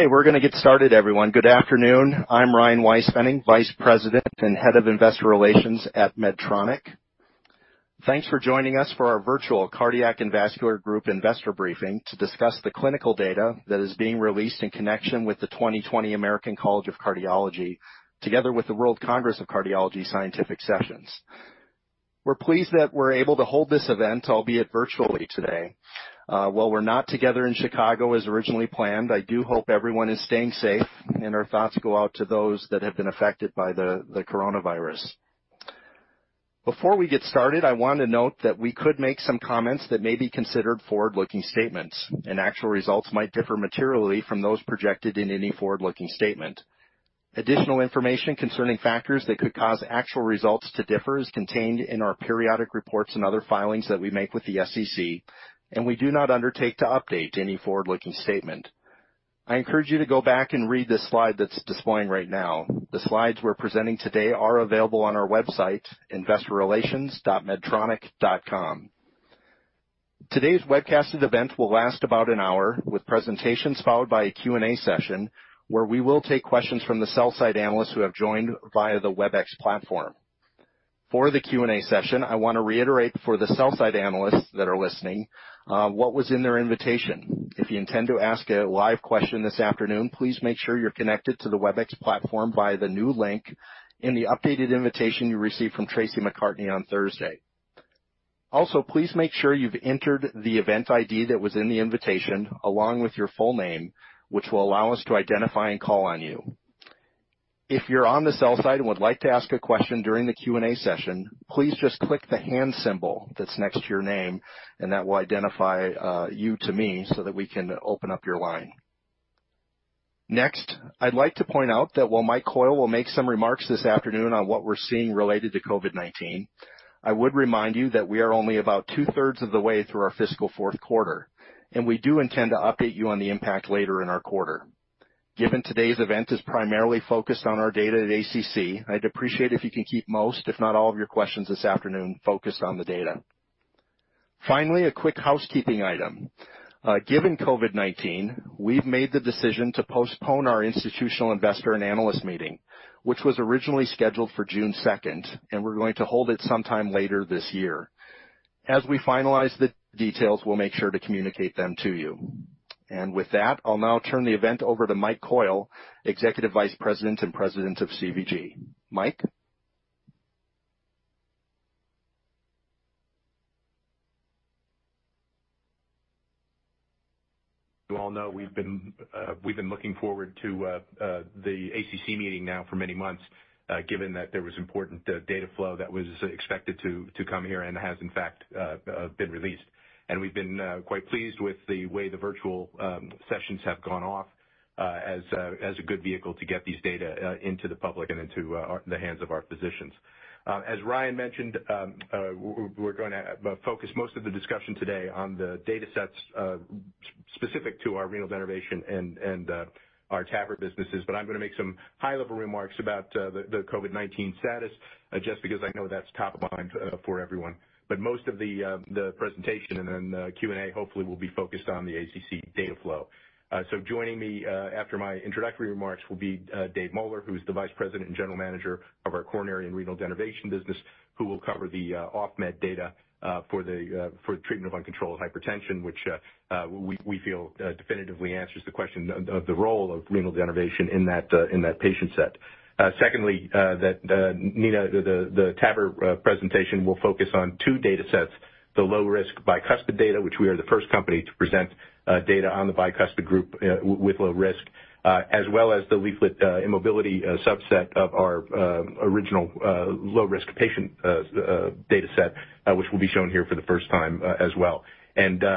Okay, we're going to get started, everyone. Good afternoon. I'm Ryan Weispfenning, Vice President and Head of Investor Relations at Medtronic. Thanks for joining us for our virtual Cardiac and Vascular Group investor briefing to discuss the clinical data that is being released in connection with the 2020 American College of Cardiology, together with the World Congress of Cardiology scientific sessions. We're pleased that we're able to hold this event, albeit virtually, today. While we're not together in Chicago as originally planned, I do hope everyone is staying safe, and our thoughts go out to those that have been affected by the coronavirus. Before we get started, I want to note that we could make some comments that may be considered forward-looking statements. Actual results might differ materially from those projected in any forward-looking statement. Additional information concerning factors that could cause actual results to differ is contained in our periodic reports and other filings that we make with the SEC, and we do not undertake to update any forward-looking statement. I encourage you to go back and read the slide that's displaying right now. The slides we're presenting today are available on our website, investorrelations.medtronic.com. Today's webcasted event will last about an hour, with presentations followed by a Q&A session where we will take questions from the sell-side analysts who have joined via the WebEx platform. For the Q&A session, I want to reiterate for the sell-side analysts that are listening, what was in their invitation. If you intend to ask a live question this afternoon, please make sure you're connected to the WebEx platform via the new link in the updated invitation you received from Tracy McCartney on Thursday. Also, please make sure you've entered the event ID that was in the invitation along with your full name, which will allow us to identify and call on you. If you're on the sell side and would like to ask a question during the Q&A session, please just click the hand symbol that's next to your name, and that will identify you to me so that we can open up your line. Next, I'd like to point out that while Mike Coyle will make some remarks this afternoon on what we're seeing related to COVID-19, I would remind you that we are only about 2/3 Of the way through our fiscal fourth quarter, and we do intend to update you on the impact later in our quarter. Given today's event is primarily focused on our data at ACC, I'd appreciate if you can keep most, if not all, of your questions this afternoon focused on the data. Finally, a quick housekeeping item. Given COVID-19, we've made the decision to postpone our institutional investor and analyst meeting, which was originally scheduled for June 2nd, we're going to hold it sometime later this year. As we finalize the details, we'll make sure to communicate them to you. With that, I'll now turn the event over to Mike Coyle, Executive Vice President and President of CVG. Mike? You all know we've been looking forward to the ACC meeting now for many months, given that there was important data flow that was expected to come here and has, in fact, been released. We've been quite pleased with the way the virtual sessions have gone off as a good vehicle to get these data into the public and into the hands of our physicians. As Ryan mentioned, we're going to focus most of the discussion today on the data sets specific to our renal denervation and our TAVR businesses. I'm going to make some high-level remarks about the COVID-19 status just because I know that's top of mind for everyone. Most of the presentation and then the Q&A hopefully will be focused on the ACC data flow. Joining me after my introductory remarks will be Dave Moeller, who is the Vice President and General Manager of our coronary and renal denervation business, who will cover the OFF-MED data for the treatment of uncontrolled hypertension, which we feel definitively answers the question of the role of renal denervation in that patient set. Secondly, Nina, the TAVR presentation will focus on two data sets, the low-risk bicuspid data, which we are the first company to present data on the bicuspid group with low risk, as well as the leaflet immobility subset of our original low-risk patient data set, which will be shown here for the first time as well.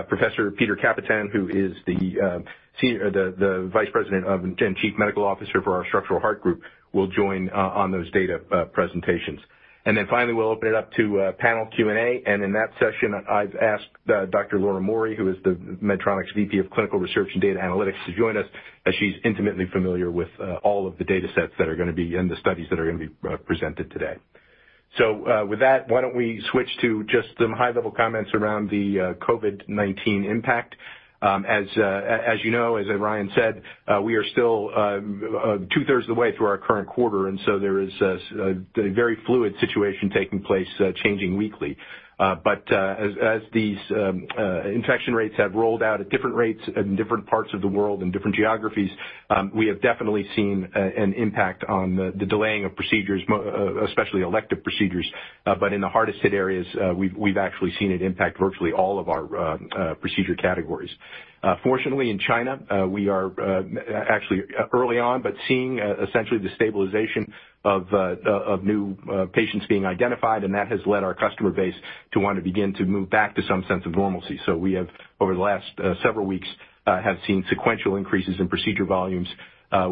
Professor Pieter Kappetein, who is the Vice President and Chief Medical Officer for our structural heart group, will join on those data presentations. Finally, we'll open it up to panel Q&A. In that session, I've asked Dr. Laura Mauri, who is Medtronic's VP of Clinical Research and Data Analytics, to join us, as she's intimately familiar with all of the data sets that are going to be in the studies that are going to be presented today. With that, why don't we switch to just some high-level comments around the COVID-19 impact. As you know, as Ryan said, we are still 2/3 of the way through our current quarter, and so there is a very fluid situation taking place, changing weekly. As these infection rates have rolled out at different rates in different parts of the world and different geographies, we have definitely seen an impact on the delaying of procedures, especially elective procedures. In the hardest hit areas, we've actually seen it impact virtually all of our procedure categories. Fortunately, in China, we are actually early on, but seeing essentially the stabilization of new patients being identified, and that has led our customer base to want to begin to move back to some sense of normalcy. We have, over the last several weeks, seen sequential increases in procedure volumes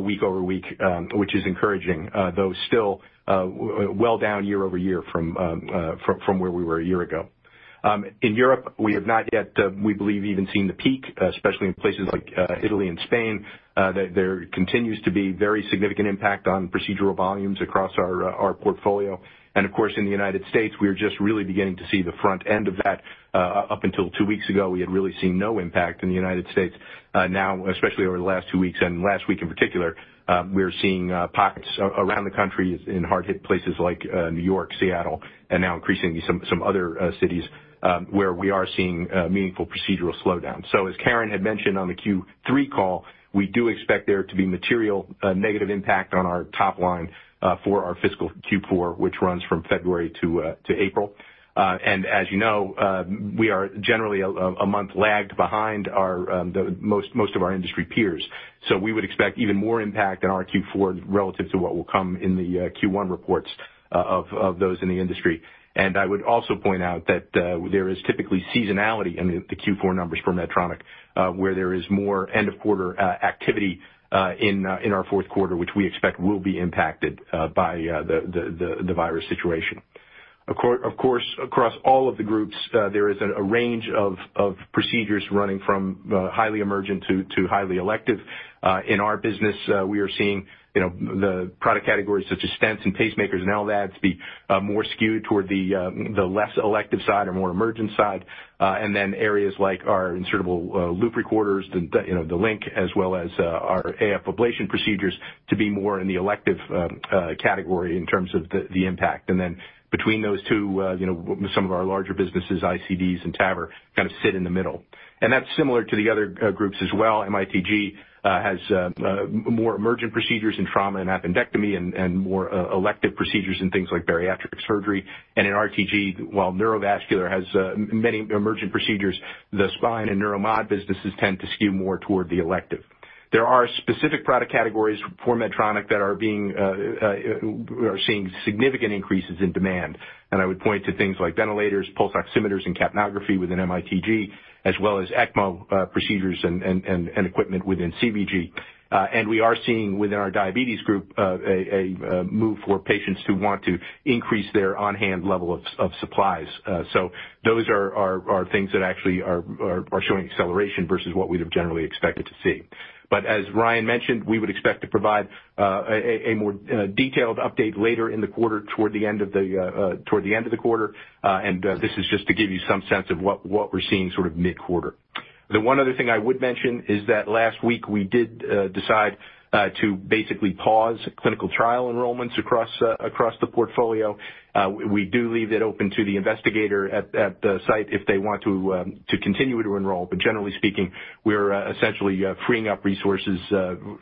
week over week, which is encouraging. Though still well down year-over-year from where we were a year ago. In Europe, we have not yet, we believe, even seen the peak, especially in places like Italy and Spain. There continues to be very significant impact on procedural volumes across our portfolio. Of course, in the U.S., we are just really beginning to see the front end of that. Up until two weeks ago, we had really seen no impact in the U.S. Now, especially over the last two weeks and last week in particular, we're seeing pockets around the country in hard-hit places like New York, Seattle, and now increasingly some other cities where we are seeing meaningful procedural slowdown. As Karen had mentioned on the Q3 call, we do expect there to be material negative impact on our top line for our fiscal Q4, which runs from February to April. As you know, we are generally a month lagged behind most of our industry peers. We would expect even more impact in our Q4 relative to what will come in the Q1 reports of those in the industry. I would also point out that there is typically seasonality in the Q4 numbers for Medtronic, where there is more end-of-quarter activity in our fourth quarter, which we expect will be impacted by the virus situation. Of course, across all of the groups, there is a range of procedures running from highly emergent to highly elective. In our business, we are seeing the product categories such as stents and pacemakers and LVADs be more skewed toward the less elective side or more emergent side. Then areas like our insertable loop recorders, the LINQ, as well as our AF ablation procedures, to be more in the elective category in terms of the impact. Then between those two, some of our larger businesses, ICDs and TAVR, kind of sit in the middle. That's similar to the other groups as well. MITG has more emergent procedures in trauma and appendectomy and more elective procedures in things like bariatric surgery. In RTG, while neurovascular has many emergent procedures, the spine and neuromod businesses tend to skew more toward the elective. There are specific product categories for Medtronic that are seeing significant increases in demand. I would point to things like ventilators, pulse oximeters, and capnography within MITG, as well as ECMO procedures and equipment within CVG. We are seeing within our diabetes group, a move for patients who want to increase their on-hand level of supplies. Those are things that actually are showing acceleration versus what we'd have generally expected to see. As Ryan mentioned, we would expect to provide a more detailed update later in the quarter toward the end of the quarter. This is just to give you some sense of what we're seeing sort of mid-quarter. The one other thing I would mention is that last week we did decide to basically pause clinical trial enrollments across the portfolio. We do leave that open to the investigator at the site if they want to continue to enroll. Generally speaking, we're essentially freeing up resources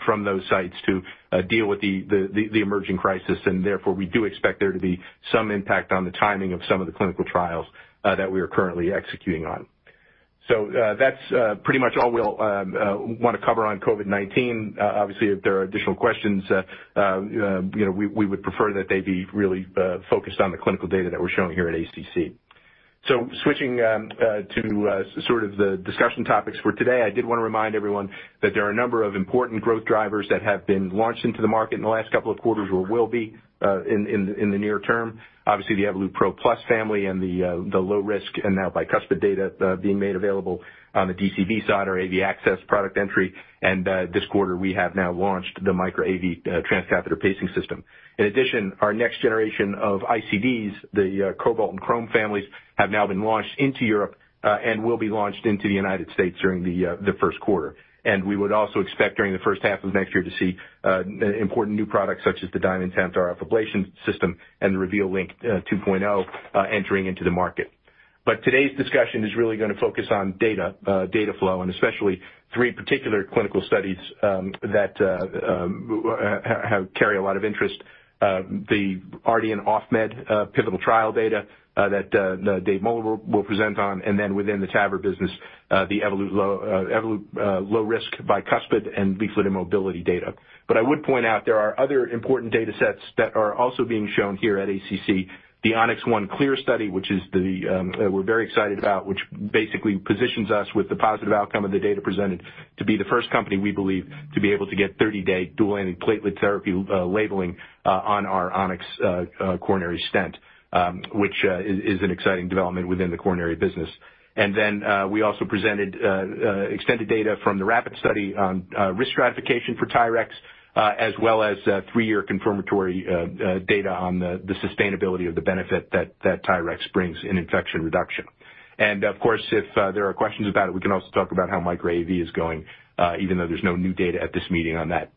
from those sites to deal with the emerging crisis. Therefore, we do expect there to be some impact on the timing of some of the clinical trials that we are currently executing on. That's pretty much all we'll want to cover on COVID-19. Obviously, if there are additional questions, we would prefer that they be really focused on the clinical data that we're showing here at ACC. Switching to sort of the discussion topics for today, I did want to remind everyone that there are a number of important growth drivers that have been launched into the market in the last couple of quarters or will be in the near term. Obviously, the Evolut PRO+ family and the low-risk and now bicuspid data being made available on the DCV side, our AV Access product entry. This quarter, we have now launched the Micra AV transcatheter pacing system. In addition, our next generation of ICDs, the Cobalt and Chrome families, have now been launched into Europe and will be launched into the U.S. during the first quarter. We would also expect during the first half of next year to see important new products such as the DiamondTemp Ablation system and the LINQ 2.0 entering into the market. Today's discussion is really going to focus on data flow and especially three particular clinical studies that carry a lot of interest. The Ardian OFF-MED pivotal trial data that Dave Moeller will present on, and then within the TAVR business, the Evolut Low Risk Bicuspid and leaflet immobility data. I would point out there are other important data sets that are also being shown here at ACC, the Onyx ONE Clear study, which we're very excited about, which basically positions us with the positive outcome of the data presented to be the first company we believe to be able to get 30-day dual antiplatelet therapy labeling on our Onyx coronary stent, which is an exciting development within the coronary business. We also presented extended data from the WRAP-IT study on risk stratification for TYRX, as well as three-year confirmatory data on the sustainability of the benefit that TYRX brings in infection reduction. Of course, if there are questions about it, we can also talk about how Micra AV is going, even though there's no new data at this meeting on that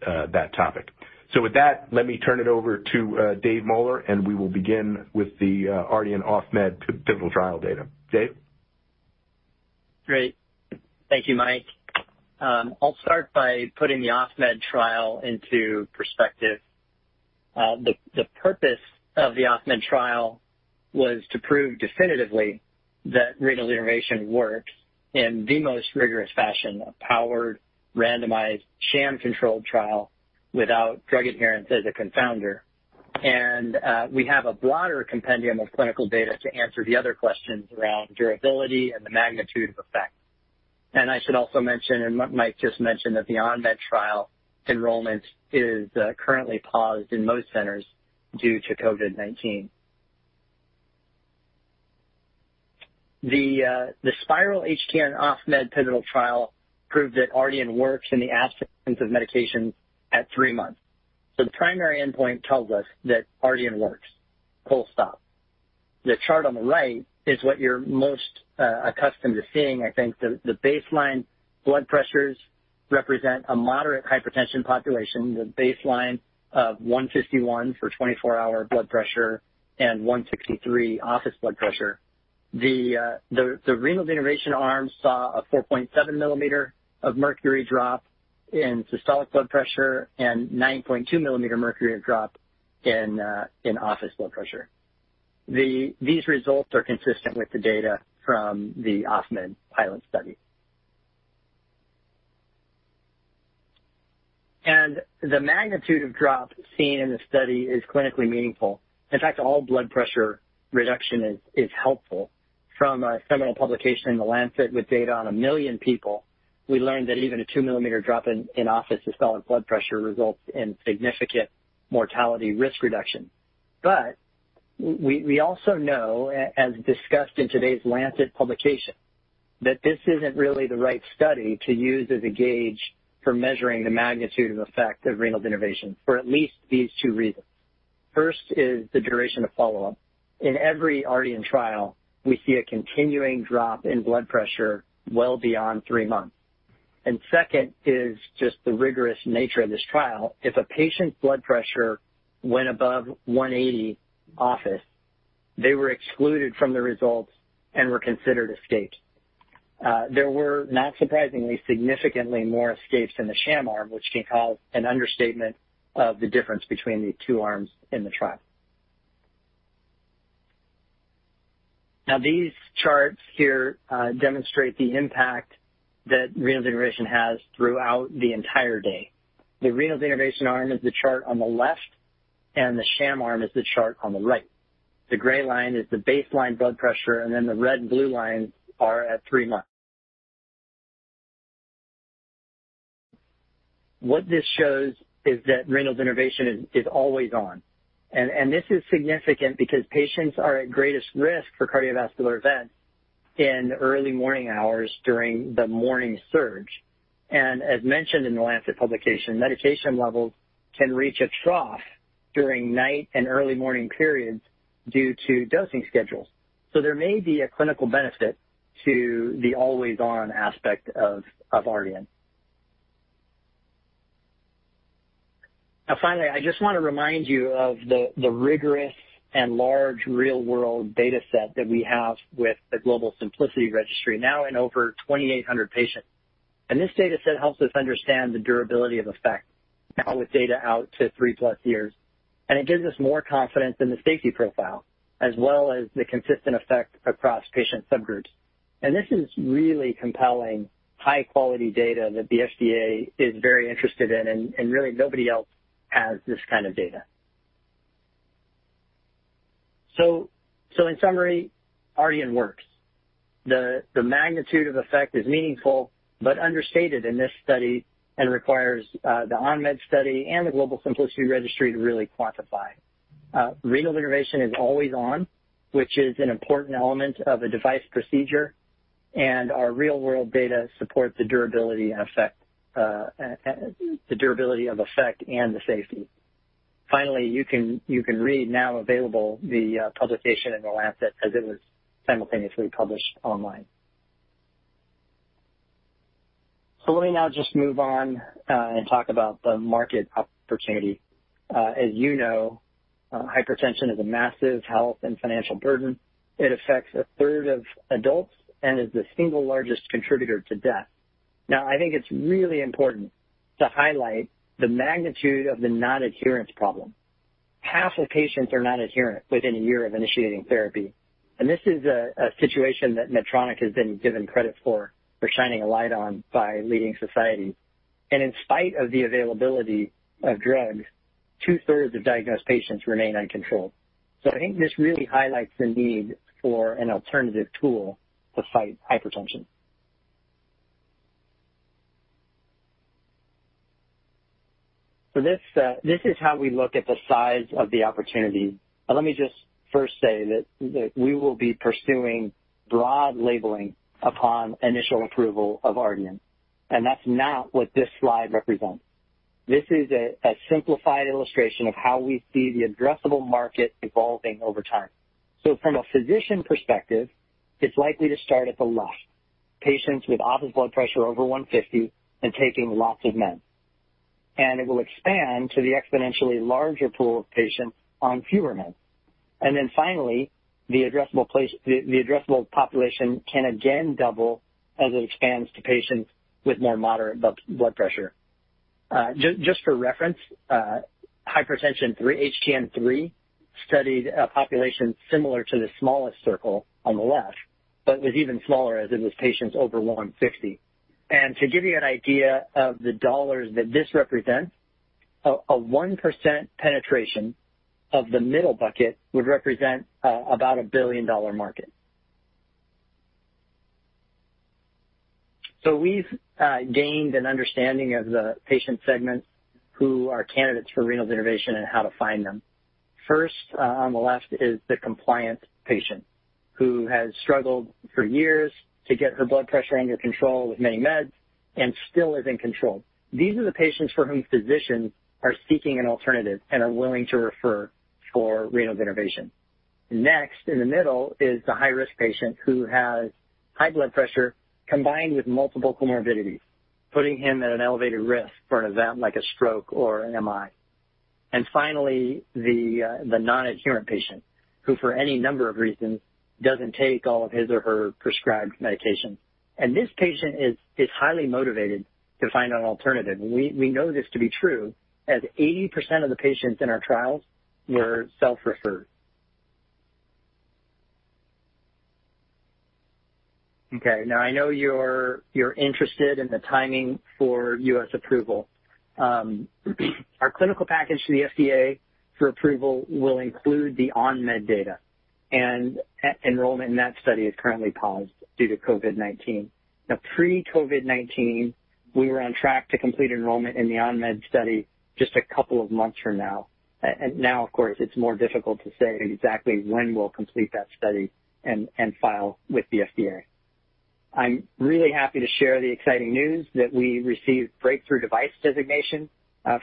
topic. With that, let me turn it over to Dave Moeller, and we will begin with the Ardian OFF-MED pivotal trial data. Dave? Great. Thank you, Mike. I'll start by putting the OFF-MED trial into perspective. The purpose of the OFF-MED trial was to prove definitively that renal denervation works in the most rigorous fashion, a powered, randomized, sham-controlled trial without drug adherence as a confounder. We have a broader compendium of clinical data to answer the other questions around durability and the magnitude of effect. I should also mention, Mike just mentioned, that the ON-MED trial enrollment is currently paused in most centers due to COVID-19. The SPYRAL HTN-OFF MED Pivotal trial proved that Ardian works in the absence of medication at three months. The primary endpoint tells us that Ardian works, full stop. The chart on the right is what you're most accustomed to seeing, I think. The baseline blood pressures represent a moderate hypertension population, the baseline of 151 for 24-hour blood pressure and 163 office blood pressure. The renal denervation arm saw a 4.7 mm of mercury drop in systolic blood pressure and 9.2 mm mercury drop in office blood pressure. These results are consistent with the data from the OFF-MED pilot study. The magnitude of drop seen in the study is clinically meaningful. In fact, all blood pressure reduction is helpful. From a seminal publication in The Lancet with data on a million people, we learned that even a 2-mm drop in office systolic blood pressure results in significant mortality risk reduction. We also know, as discussed in today's The Lancet publication, that this isn't really the right study to use as a gauge for measuring the magnitude of effect of renal denervation for at least these two reasons. First is the duration of follow-up. In every Ardian trial, we see a continuing drop in blood pressure well beyond three months. Second is just the rigorous nature of this trial. If a patient's blood pressure went above 180 office, they were excluded from the results and were considered escaped. There were, not surprisingly, significantly more escapes in the sham arm, which can cause an understatement of the difference between the two arms in the trial. These charts here demonstrate the impact that renal denervation has throughout the entire day. The renal denervation arm is the chart on the left, and the sham arm is the chart on the right. The gray line is the baseline blood pressure, and then the red and blue lines are at three months. What this shows is that renal denervation is always on. This is significant because patients are at greatest risk for cardiovascular events in the early morning hours during the morning surge. As mentioned in The Lancet publication, medication levels can reach a trough during night and early morning periods due to dosing schedules. There may be a clinical benefit to the always-on aspect of Ardian. Finally, I just want to remind you of the rigorous and large real-world data set that we have with the global SYMPLICITY registry, now in over 2,800 patients. This data set helps us understand the durability of effect now with data out to 3+ years, and it gives us more confidence in the safety profile, as well as the consistent effect across patient subgroups. This is really compelling, high-quality data that the FDA is very interested in, and really nobody else has this kind of data. In summary, Ardian works. The magnitude of effect is meaningful but understated in this study and requires the ON-MED study and the global SYMPLICITY registry to really quantify. Renal denervation is always on, which is an important element of a device procedure, and our real-world data support the durability of effect and the safety. Finally, you can read, now available, the publication in The Lancet, as it was simultaneously published online. Let me now just move on and talk about the market opportunity. As you know, hypertension is a massive health and financial burden. It affects 1/3 of adults and is the single largest contributor to death. I think it's really important to highlight the magnitude of the non-adherence problem. Half of patients are non-adherent within a year of initiating therapy. This is a situation that Medtronic has been given credit for shining a light on by leading society. In spite of the availability of drugs, 2/3 of diagnosed patients remain uncontrolled. I think this really highlights the need for an alternative tool to fight hypertension. This is how we look at the size of the opportunity. Let me just first say that we will be pursuing broad labeling upon initial approval of Ardian. That's not what this slide represents. This is a simplified illustration of how we see the addressable market evolving over time. From a physician perspective, it's likely to start at the left, patients with office blood pressure over 150 and taking lots of meds. It will expand to the exponentially larger pool of patients on fewer meds. Finally, the addressable population can again double as it expands to patients with more moderate blood pressure. Just for reference, Hypertension 3 HTN-3, studied a population similar to the smallest circle on the left, but was even smaller as it was patients over 160. To give you an idea of the dollars that this represents, a 1% penetration of the middle bucket would represent about a billion-dollar market. We've gained an understanding of the patient segments who are candidates for renal denervation and how to find them. First, on the left is the compliant patient who has struggled for years to get her blood pressure under control with many meds and still is in control. These are the patients for whom physicians are seeking an alternative and are willing to refer for renal denervation. In the middle, is the high-risk patient who has high blood pressure combined with multiple comorbidities, putting him at an elevated risk for an event like a stroke or an MI. Finally, the non-adherent patient, who for any number of reasons, doesn't take all of his or her prescribed medication. This patient is highly motivated to find an alternative. We know this to be true, as 80% of the patients in our trials were self-referred. Okay. I know you're interested in the timing for U.S. approval. Our clinical package to the FDA for approval will include the ON-MED data, and enrollment in that study is currently paused due to COVID-19. Pre-COVID-19, we were on track to complete enrollment in the ON-MED study just a couple of months from now. Now, of course, it's more difficult to say exactly when we'll complete that study and file with the FDA. I'm really happy to share the exciting news that we received Breakthrough Device Designation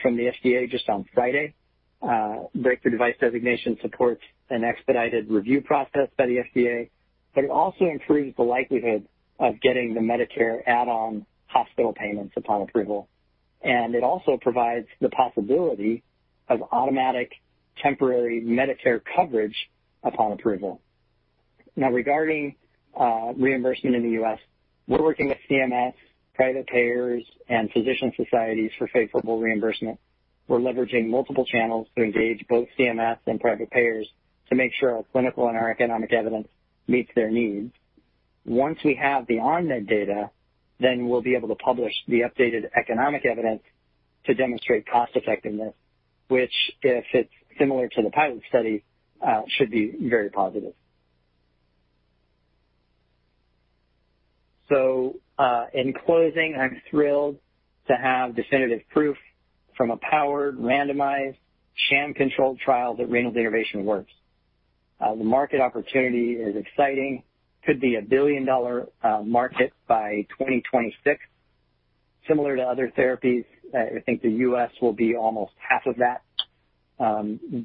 from the FDA just on Friday. Breakthrough Device Designation supports an expedited review process by the FDA. It also improves the likelihood of getting the Medicare add-on hospital payments upon approval, and it also provides the possibility of automatic temporary Medicare coverage upon approval. Regarding reimbursement in the U.S., we're working with CMS, private payers, and physician societies for favorable reimbursement. We're leveraging multiple channels to engage both CMS and private payers to make sure our clinical and our economic evidence meets their needs. Once we have the ON-MED data, we'll be able to publish the updated economic evidence to demonstrate cost effectiveness, which, if it's similar to the pilot study, should be very positive. In closing, I'm thrilled to have definitive proof from a powered, randomized, sham-controlled trial that renal denervation works. The market opportunity is exciting. Could be a billion-dollar market by 2026, similar to other therapies. I think the U.S. will be almost half of that.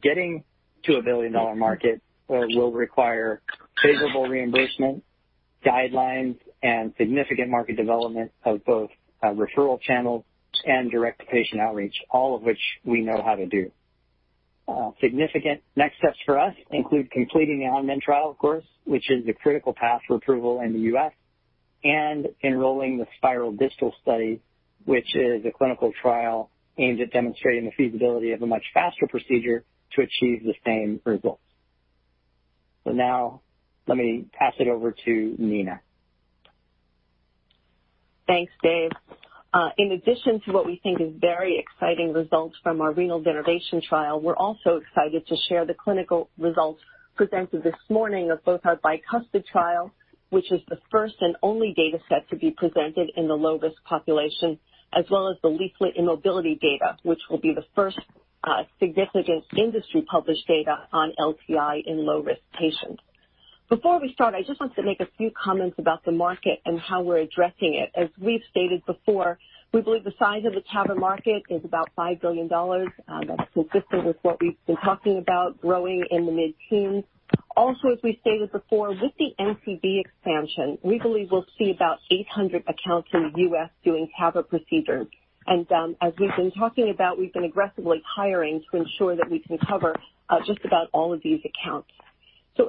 Getting to a billion-dollar market will require favorable reimbursement guidelines and significant market development of both referral channels and direct-to-patient outreach, all of which we know how to do. Significant next steps for us include completing the ON-MED trial, of course, which is the critical path for approval in the U.S., and enrolling the SPYRAL DYSTAL study, which is a clinical trial aimed at demonstrating the feasibility of a much faster procedure to achieve the same results. Now let me pass it over to Nina. Thanks, Dave. In addition to what we think is very exciting results from our renal denervation trial, we are also excited to share the clinical results presented this morning of both our bicuspid trial, which is the first and only data set to be presented in the low-risk population, as well as the leaflet immobility data, which will be the first significant industry-published data on LTI in low-risk patients. Before we start, I just want to make a few comments about the market and how we are addressing it. As we have stated before, we believe the size of the TAVR market is about $5 billion. That is consistent with what we have been talking about growing in the mid-teens. As we stated before, with the NCD expansion, we believe we will see about 800 accounts in the U.S. doing TAVR procedures. As we've been talking about, we've been aggressively hiring to ensure that we can cover just about all of these accounts.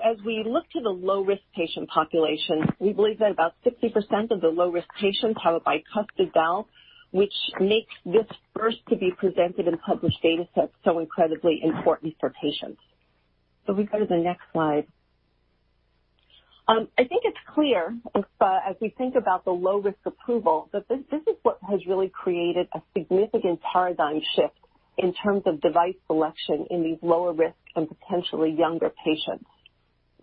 As we look to the low-risk patient population, we believe that about 60% of the low-risk patients have a bicuspid valve, which makes this first to be presented and published data set so incredibly important for patients. If we go to the next slide. I think it's clear as we think about the low-risk approval, that this is what has really created a significant paradigm shift in terms of device selection in these lower risk and potentially younger patients.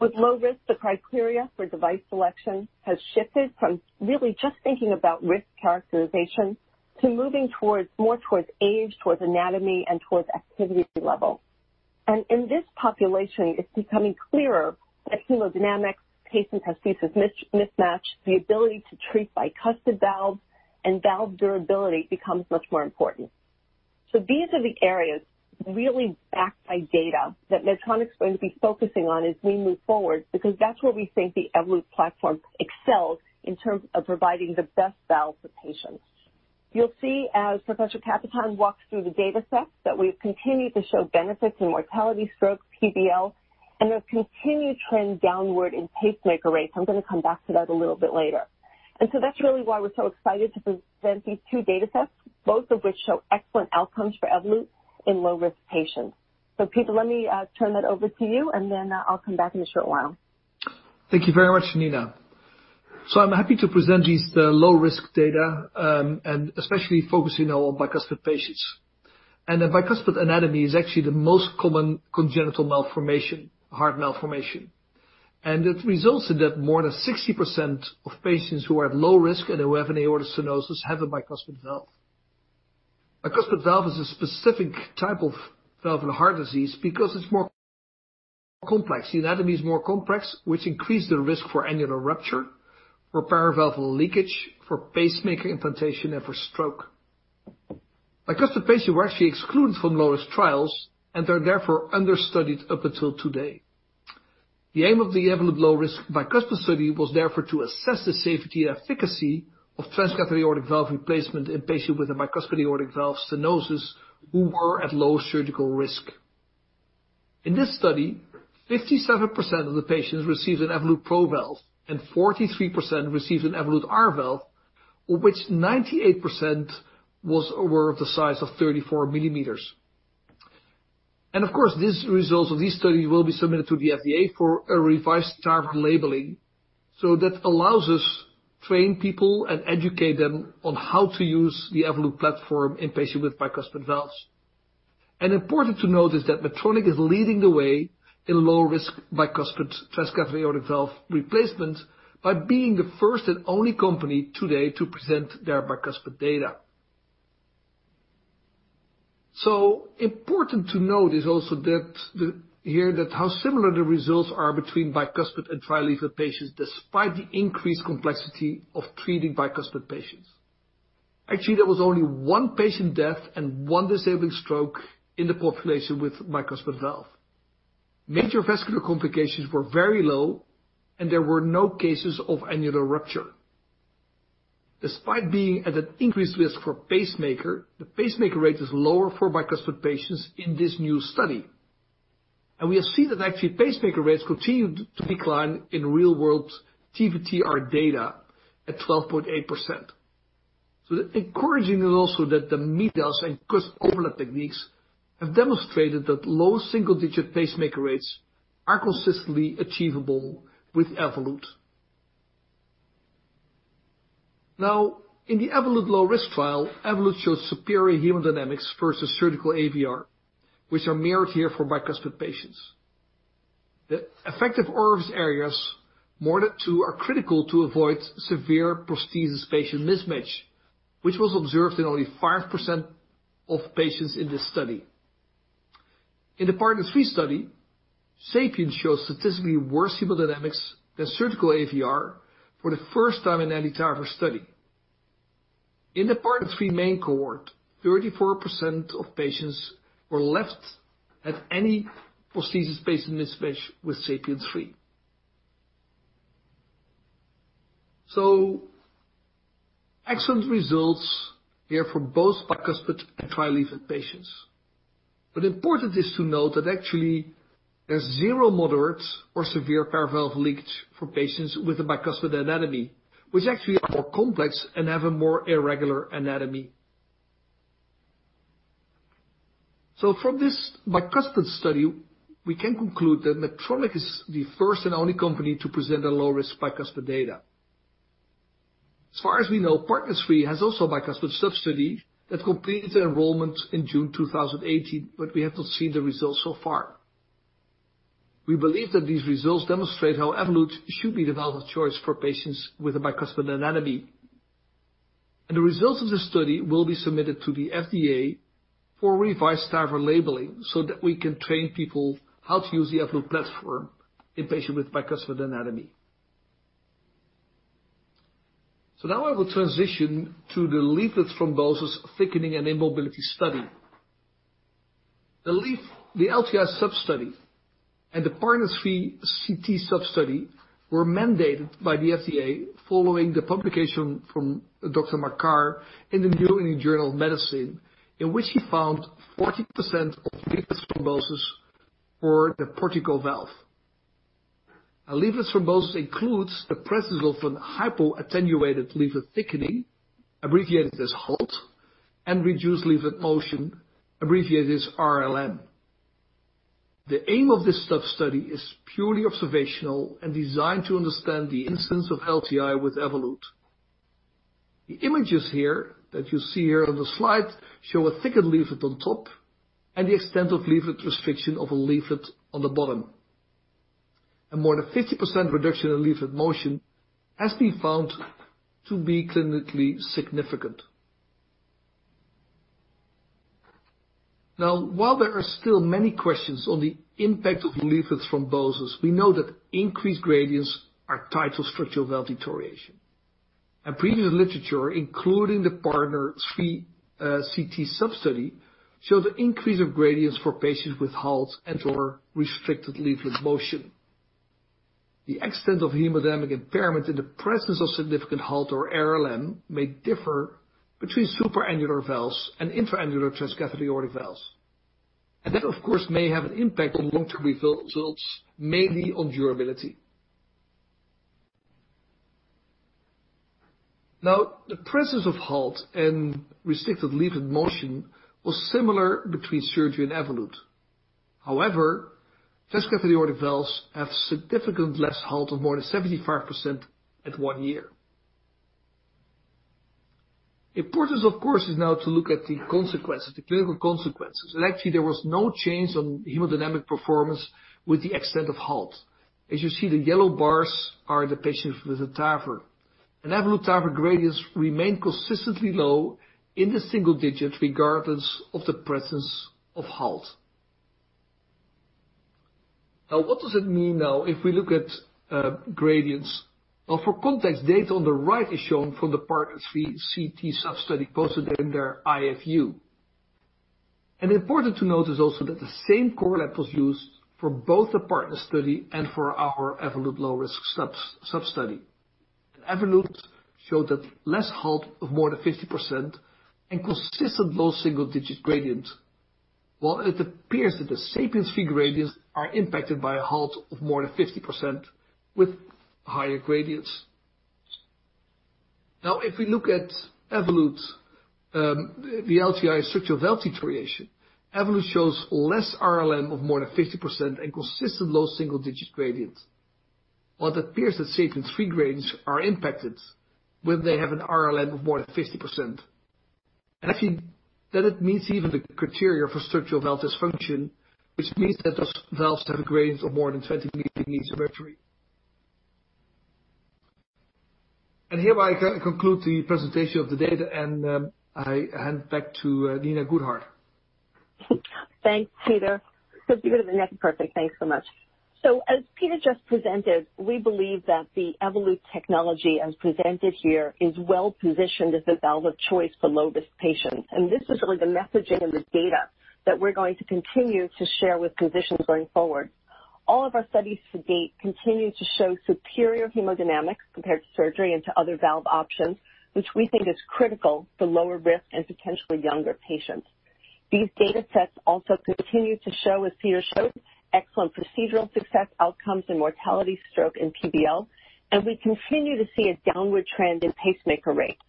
With low risk, the criteria for device selection has shifted from really just thinking about risk characterization to moving more towards age, towards anatomy, and towards activity level. In this population, it's becoming clearer that hemodynamics, patient-prosthesis mismatch, the ability to treat bicuspid valves, and valve durability becomes much more important. These are the areas really backed by data that Medtronic's going to be focusing on as we move forward because that's where we think the Evolut platform excels in terms of providing the best valve for patients. You'll see as Professor Kappetein walks through the data sets that we've continued to show benefits in mortality, stroke, PVL, and a continued trend downward in pacemaker rates. I'm going to come back to that a little bit later. That's really why we're so excited to present these two data sets, both of which show excellent outcomes for Evolut in low-risk patients. Pieter, let me turn that over to you, and then I'll come back in a short while. Thank you very much, Nina. I'm happy to present these low-risk data, and especially focusing on bicuspid patients. The bicuspid anatomy is actually the most common congenital malformation, heart malformation. It results in that more than 60% of patients who are at low risk and who have an aortic stenosis have a bicuspid valve. A bicuspid valve is a specific type of valvular heart disease because it's more complex. The anatomy is more complex, which increase the risk for annular rupture, for paravalvular leakage, for pacemaker implantation, and for stroke. Bicuspid patients were actually excluded from low-risk trials and are therefore understudied up until today. The aim of the Evolut Low Risk Bicuspid study was therefore to assess the safety and efficacy of transcatheter aortic valve replacement in patients with a bicuspid aortic valve stenosis who were at low surgical risk. In this study, 57% of the patients received an Evolut PRO valve, and 43% received an Evolut R valve, of which 98% were of the size of 34 mm. Of course, these results of this study will be submitted to the FDA for a revised TAVR labeling. That allows us train people and educate them on how to use the Evolut platform in patient with bicuspid valves. Important to note is that Medtronic is leading the way in low-risk bicuspid transcatheter aortic valve replacements by being the first and only company today to present their bicuspid data. Important to note is also here that how similar the results are between bicuspid and tri-leaflet patients, despite the increased complexity of treating bicuspid patients. Actually, there was only one patient death and one disabling stroke in the population with bicuspid valve. Major vascular complications were very low, and there were no cases of annular rupture. Despite being at an increased risk for pacemaker, the pacemaker rate is lower for bicuspid patients in this new study. We have seen that actually pacemaker rates continued to decline in real world TVT R data at 12.8%. Encouraging also that the MIDAS and cusp overlap techniques have demonstrated that low single-digit pacemaker rates are consistently achievable with Evolut. In the Evolut Low Risk trial, Evolut shows superior hemodynamics versus surgical AVR, which are mirrored here for bicuspid patients. The effective orifice areas, more than two are critical to avoid severe prosthesis-patient mismatch, which was observed in only 5% of patients in this study. In the PARTNER 3 study, SAPIEN showed statistically worse hemodynamics than surgical AVR for the first time in any TAVR study. In the PARTNER 3 main cohort, 34% of patients were left at any prosthesis-based mismatch with SAPIEN 3. Excellent results here for both bicuspid and tri-leaflet patients. Important is to note that actually there's zero moderate or severe paravalvular leaks for patients with a bicuspid anatomy, which actually are more complex and have a more irregular anatomy. From this bicuspid study, we can conclude that Medtronic is the first and only company to present a low-risk bicuspid data. As far as we know, PARTNER 3 has also bicuspid sub-study that completed the enrollment in June 2018, but we have not seen the results so far. We believe that these results demonstrate how Evolut should be the valve of choice for patients with a bicuspid anatomy. The results of this study will be submitted to the FDA for revised TAVR labeling so that we can train people how to use the Evolut platform in patient with bicuspid anatomy. Now I will transition to the Leaflet Thrombosis, Thickening, and Immobility Study. The LTI sub-study and the PARTNER 3 CT sub-study were mandated by the FDA following the publication from Dr. Makkar in The New England Journal of Medicine, in which he found 40% of leaflet thrombosis for the Portico valve. A leaflet thrombosis includes the presence of an hypoattenuated leaflet thickening, abbreviated as HALT, and reduced leaflet motion, abbreviated as RLM. The aim of this sub-study is purely observational and designed to understand the incidence of LTI with Evolut. The images here that you see here on the slide show a thickened leaflet on top and the extent of leaflet restriction of a leaflet on the bottom. More than 50% reduction in leaflet motion has been found to be clinically significant. Now, while there are still many questions on the impact of leaflets thrombosis, we know that increased gradients are tied to structural valve deterioration. Previous literature, including the PARTNER 3 CT sub-study, show the increase of gradients for patients with HALTs and/or restricted leaflet motion. The extent of hemodynamic impairment in the presence of significant HALT or RLM may differ between super-annular valves and intra-annular transcatheter aortic valves. That, of course, may have an impact on long-term results, mainly on durability. Now, the presence of HALT and restricted leaflet motion was similar between surgery and Evolut. However, transcatheter aortic valves have significant less HALT of more than 75% at one year. Important, of course, is now to look at the clinical consequences. Actually, there was no change on hemodynamic performance with the extent of HALT. As you see, the yellow bars are the patients with the TAVR. Evolut TAVR gradients remain consistently low in the single-digit regardless of the presence of HALT. What does it mean now if we look at gradients? For context, data on the right is shown from the PARTNER 3 CT sub-study posted in their IFU. Important to note is also that the same core lab was used for both the PARTNER study and for our Evolut low-risk sub-study. Evolut showed that less HALT of more than 50% and consistent low single-digit gradient. While it appears that the SAPIEN 3 gradients are impacted by a HALT of more than 50% with higher gradients. If we look at Evolut, the LTI structural valve deterioration. Evolut shows less RLM of more than 50% and consistent low single-digit gradient. While it appears that SAPIEN 3 gradients are impacted when they have an RLM of more than 50%. I think that it meets even the criteria for structural valve dysfunction, which means that those valves have gradients of more than 20 mm of mercury. Hereby I conclude the presentation of the data, and I hand back to Nina Goodheart. Thanks, Pieter. Perfect. Thanks so much. As Pieter just presented, we believe that the Evolut technology as presented here is well-positioned as the valve of choice for low-risk patients. This is really the messaging and the data that we're going to continue to share with physicians going forward. All of our studies to date continue to show superior hemodynamics compared to surgery and to other valve options, which we think is critical for lower risk and potentially younger patients. These data sets also continue to show, as Pieter showed, excellent procedural success outcomes and mortality stroke in PVL, and we continue to see a downward trend in pacemaker rates.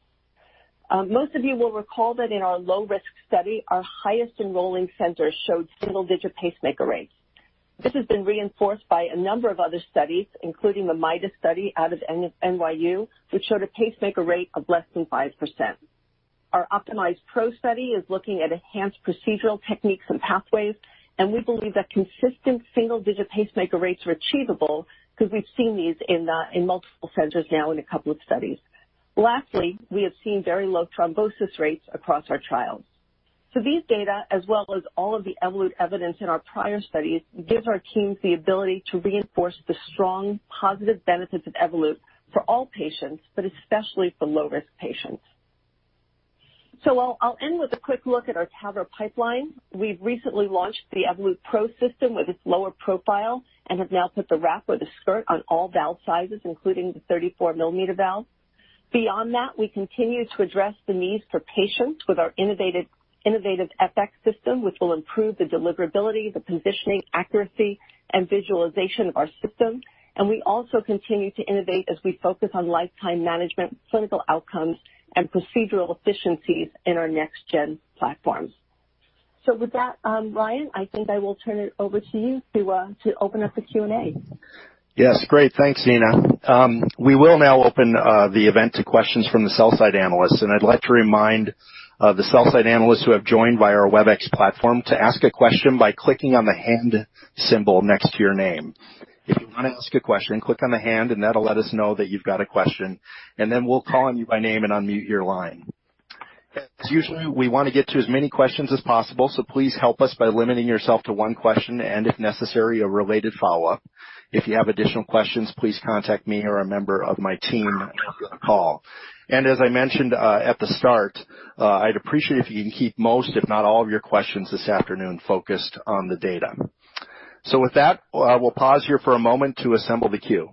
Most of you will recall that in our low-risk study, our highest enrolling centers showed single-digit pacemaker rates. This has been reinforced by a number of other studies, including the MIDAS study out of NYU, which showed a pacemaker rate of less than 5%. Our Optimize PRO study is looking at enhanced procedural techniques and pathways. We believe that consistent single-digit pacemaker rates are achievable because we've seen these in multiple centers now in a couple of studies. Lastly, we have seen very low thrombosis rates across our trials. These data, as well as all of the Evolut evidence in our prior studies, gives our teams the ability to reinforce the strong positive benefits of Evolut for all patients, but especially for low-risk patients. I'll end with a quick look at our TAVR pipeline. We've recently launched the Evolut PRO system with its lower profile and have now put the wrap or the skirt on all valve sizes, including the 34 mm valve. Beyond that, we continue to address the needs for patients with our innovative FX system, which will improve the deliverability, the positioning accuracy, and visualization of our system. We also continue to innovate as we focus on lifetime management, clinical outcomes, and procedural efficiencies in our next-gen platforms. With that, Ryan, I think I will turn it over to you to open up the Q&A. Yes. Great. Thanks, Nina. We will now open the event to questions from the sell-side analysts. I'd like to remind the sell-side analysts who have joined via our WebEx platform to ask a question by clicking on the hand symbol next to your name. If you want to ask a question, click on the hand, that'll let us know that you've got a question, then we'll call on you by name and unmute your line. As usual, we want to get to as many questions as possible, please help us by limiting yourself to one question and, if necessary, a related follow-up. If you have additional questions, please contact me or a member of my team after the call. As I mentioned at the start, I'd appreciate if you can keep most, if not all, of your questions this afternoon focused on the data. With that, we'll pause here for a moment to assemble the queue.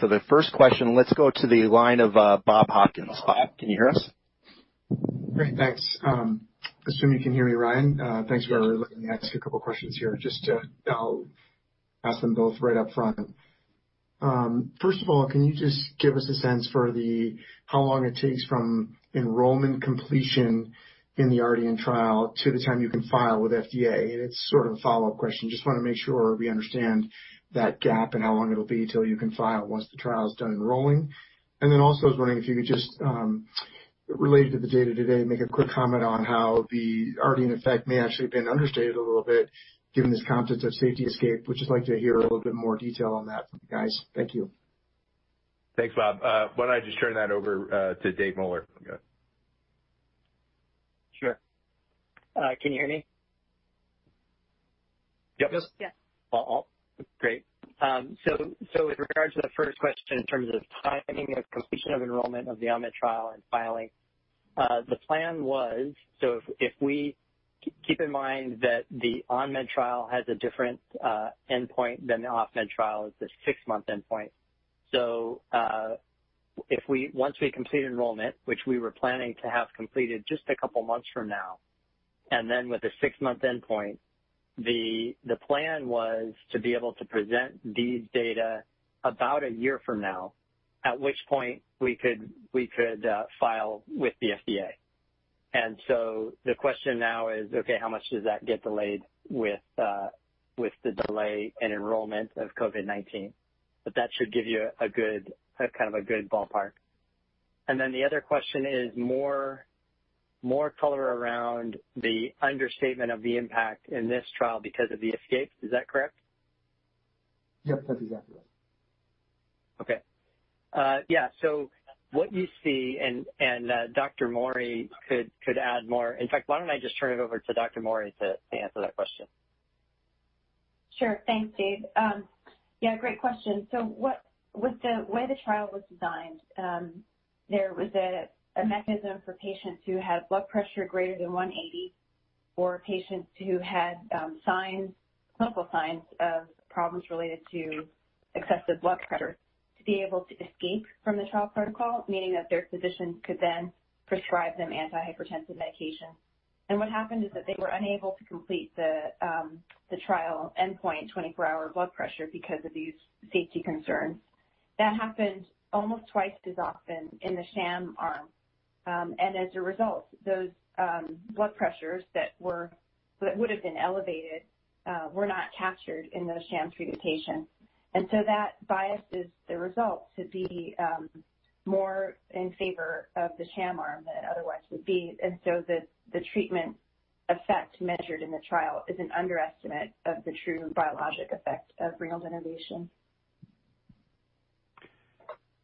For the first question, let's go to the line of Bob Hopkins. Bob, can you hear us? Great. Thanks. Assume you can hear me, Ryan. Thanks for letting me ask you a couple of questions here. Just I'll ask them both right up front. First of all, can you just give us a sense for how long it takes from enrollment completion in the Ardian trial to the time you can file with FDA? It's sort of a follow-up question. Just want to make sure we understand that gap and how long it'll be till you can file once the trial is done enrolling. Also, I was wondering if you could just, related to the data today, make a quick comment on how the Ardian effect may actually have been understated a little bit given this concept of safety escape. Would just like to hear a little bit more detail on that from you guys. Thank you. Thanks, Bob. Why don't I just turn that over to Dave Moeller? Sure. Can you hear me? Yep. Yes. Great. With regard to the first question in terms of timing of completion of enrollment of the ON-MED trial and filing. The plan was, if we keep in mind that the ON-MED trial has a different endpoint than the OFF-MED trial, it's a six-month endpoint. Once we complete enrollment, which we were planning to have completed just a couple of months from now, then with a six-month endpoint, the plan was to be able to present these data about a year from now, at which point we could file with the FDA. The question now is, okay, how much does that get delayed with the delay in enrollment of COVID-19? That should give you kind of a good ballpark. The other question is more color around the understatement of the impact in this trial because of the escape. Is that correct? Yep, that's exactly right. Okay. Yeah. What you see, and Dr. Mauri could add more. In fact, why don't I just turn it over to Dr. Mauri to answer that question? Sure. Thanks, Dave. Yeah, great question. The way the trial was designed, there was a mechanism for patients who had blood pressure greater than 180 or patients who had clinical signs of problems related to excessive blood pressure. To be able to escape from the trial protocol, meaning that their physician could then prescribe them antihypertensive medication. What happened is that they were unable to complete the trial endpoint 24-hour blood pressure because of these safety concerns. That happened almost twice as often in the sham arm. As a result, those blood pressures that would've been elevated were not captured in those sham treatment patients. That biases the result to be more in favor of the sham arm than it otherwise would be. The treatment effect measured in the trial is an underestimate of the true biologic effect of renal denervation.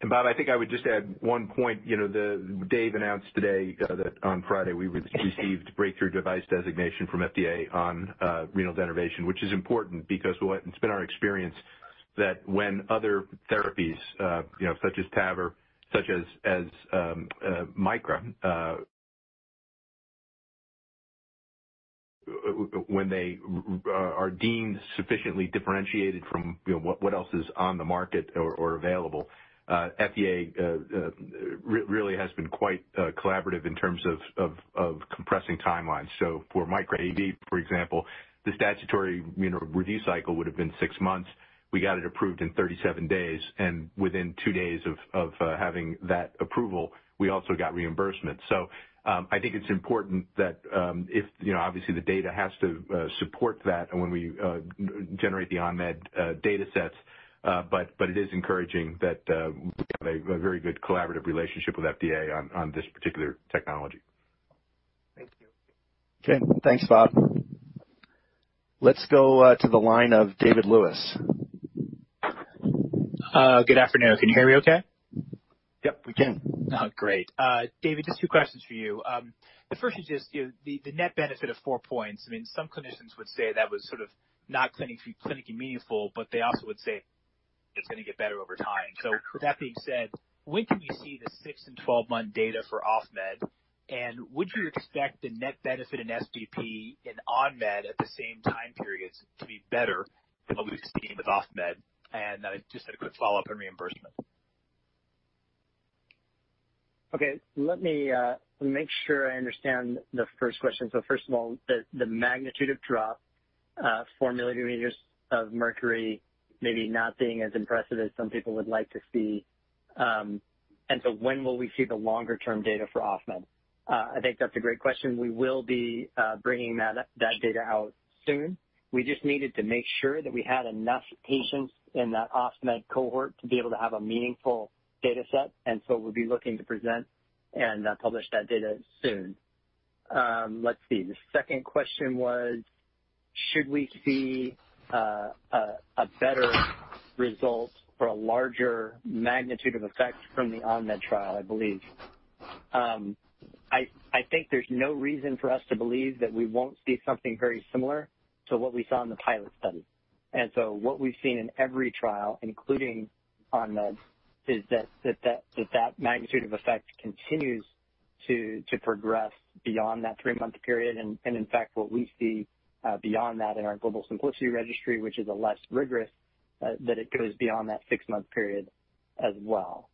Bob, I think I would just add one point. Dave announced today that on Friday we received Breakthrough Device Designation from FDA on renal denervation, which is important because it's been our experience that when other therapies, such as TAVR, such as Micra, when they are deemed sufficiently differentiated from what else is on the market or available, FDA really has been quite collaborative in terms of compressing timelines. For Micra AV, for example, the statutory review cycle would've been six months. We got it approved in 37 days, and within two days of having that approval, we also got reimbursement. I think it's important that, obviously the data has to support that and when we generate the ON-MED data sets, but it is encouraging that we have a very good collaborative relationship with FDA on this particular technology. Thank you. Okay. Thanks, Bob. Let's go to the line of David Lewis. Good afternoon. Can you hear me okay? Yep, we can. Oh, great. Dave, just two questions for you. The first is just the net benefit of four points. Some clinicians would say that was sort of not clinically meaningful, but they also would say it's going to get better over time. With that being said, when can we see the six and 12-month data for OFF-MED, and would you expect the net benefit in SBP in ON-MED at the same time periods to be better than what we've seen with OFF-MED? I just had a quick follow-up on reimbursement. Okay. Let me make sure I understand the first question. First of all, the magnitude of drop, 4 mm of mercury, maybe not being as impressive as some people would like to see. When will we see the longer-term data for OFF-MED? I think that's a great question. We will be bringing that data out soon. We just needed to make sure that we had enough patients in that OFF-MED cohort to be able to have a meaningful data set. We'll be looking to present and publish that data soon. Let's see. The second question was, should we see a better result or a larger magnitude of effect from the ON-MED trial, I believe. I think there's no reason for us to believe that we won't see something very similar to what we saw in the pilot study. What we've seen in every trial, including ON-MED, is that that magnitude of effect continues to progress beyond that three-month period. In fact, what we see beyond that in our global SYMPLICITY registry, which is less rigorous, that it goes beyond that six-month period as well.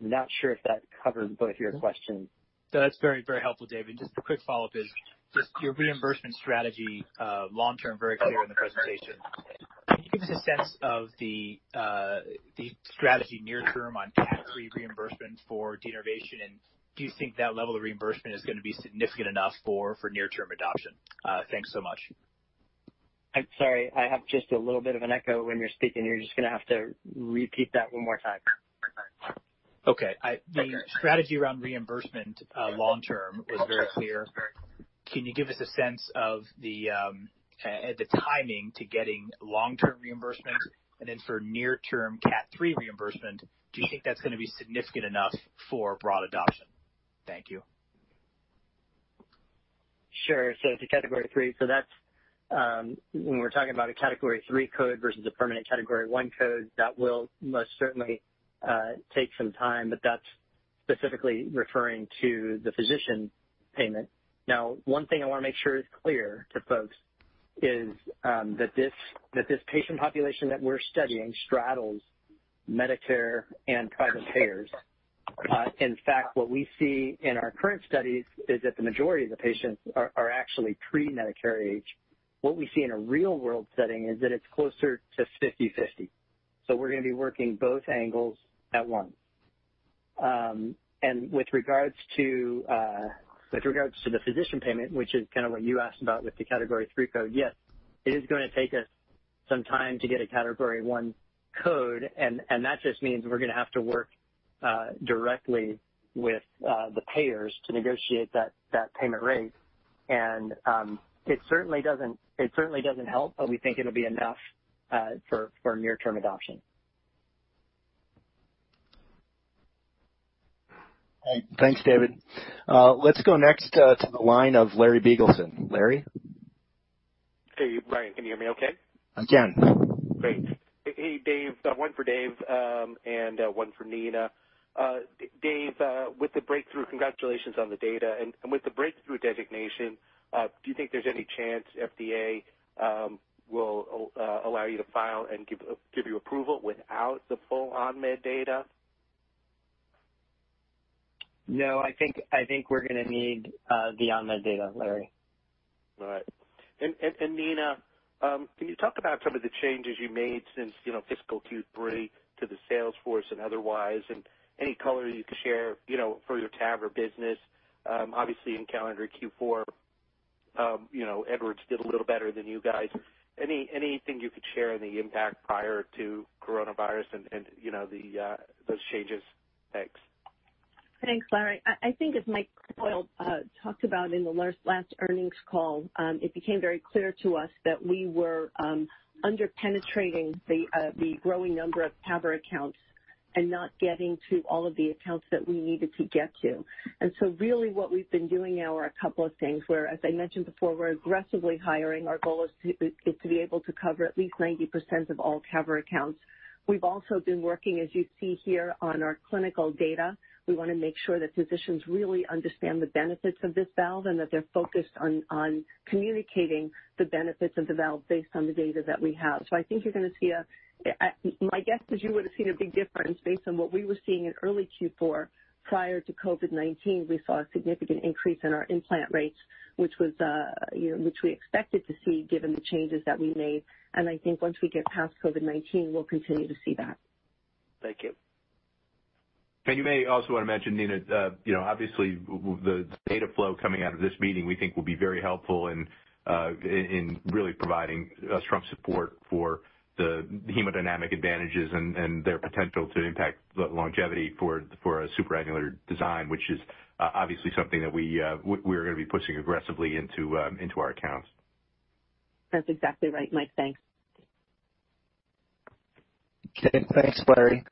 I'm not sure if that covered both of your questions. No, that's very helpful, Dave. Just a quick follow-up is your reimbursement strategy long-term, very clear in the presentation. Can you give us a sense of the strategy near term on category three reimbursement for denervation, and do you think that level of reimbursement is going to be significant enough for near-term adoption? Thanks so much. I'm sorry. I have just a little bit of an echo when you're speaking. You're just going to have to repeat that one more time. Okay. The strategy around reimbursement long term was very clear. Can you give us a sense of the timing to getting long-term reimbursement? For near-term Cat III reimbursement, do you think that's going to be significant enough for broad adoption? Thank you. Sure. It's a category III. That's when we're talking about a category III code versus a permanent category I code, that will most certainly take some time, but that's specifically referring to the physician payment. Now, one thing I want to make sure is clear to folks is that this patient population that we're studying straddles Medicare and private payers. In fact, what we see in our current studies is that the majority of the patients are actually pre-Medicare age. What we see in a real-world setting is that it's closer to 50/50. We're going to be working both angles at once. With regards to the physician payment, which is kind of what you asked about with the category III code, yes, it is going to take us some time to get a category I code. That just means we're going to have to work directly with the payers to negotiate that payment rate. It certainly doesn't help, but we think it'll be enough for near-term adoption. All right. Thanks, David. Let's go next to the line of Larry Biegelsen. Larry? Hey, Ryan, can you hear me okay? I can. Great. Hey, Dave. One for Dave and one for Nina. Dave, with the breakthrough, congratulations on the data. With the Breakthrough Designation, do you think there's any chance FDA will allow you to file and give you approval without the full OFF-MED data? No, I think we're going to need the ON-MED data, Larry. All right. Nina, can you talk about some of the changes you made since fiscal Q3 to the sales force and otherwise, and any color you could share for your TAVR business? Obviously in calendar Q4, Edwards did a little better than you guys. Anything you could share on the impact prior to coronavirus and those changes? Thanks. Thanks, Larry. I think as Mike Coyle talked about in the last earnings call, it became very clear to us that we were under-penetrating the growing number of TAVR accounts and not getting to all of the accounts that we needed to get to. Really what we've been doing now are a couple of things, where, as I mentioned before, we're aggressively hiring. Our goal is to be able to cover at least 90% of all TAVR accounts. We've also been working, as you see here, on our clinical data. We want to make sure that physicians really understand the benefits of this valve and that they're focused on communicating the benefits of the valve based on the data that we have. My guess is you would have seen a big difference based on what we were seeing in early Q4. Prior to COVID-19, we saw a significant increase in our implant rates, which we expected to see given the changes that we made. I think once we get past COVID-19, we'll continue to see that. Thank you. You may also want to mention, Nina, obviously, the data flow coming out of this meeting, we think will be very helpful in really providing strong support for the hemodynamic advantages and their potential to impact the longevity for a supra-annular design, which is obviously something that we are going to be pushing aggressively into our accounts. That's exactly right, Mike. Thanks. Okay. Thanks, Larry.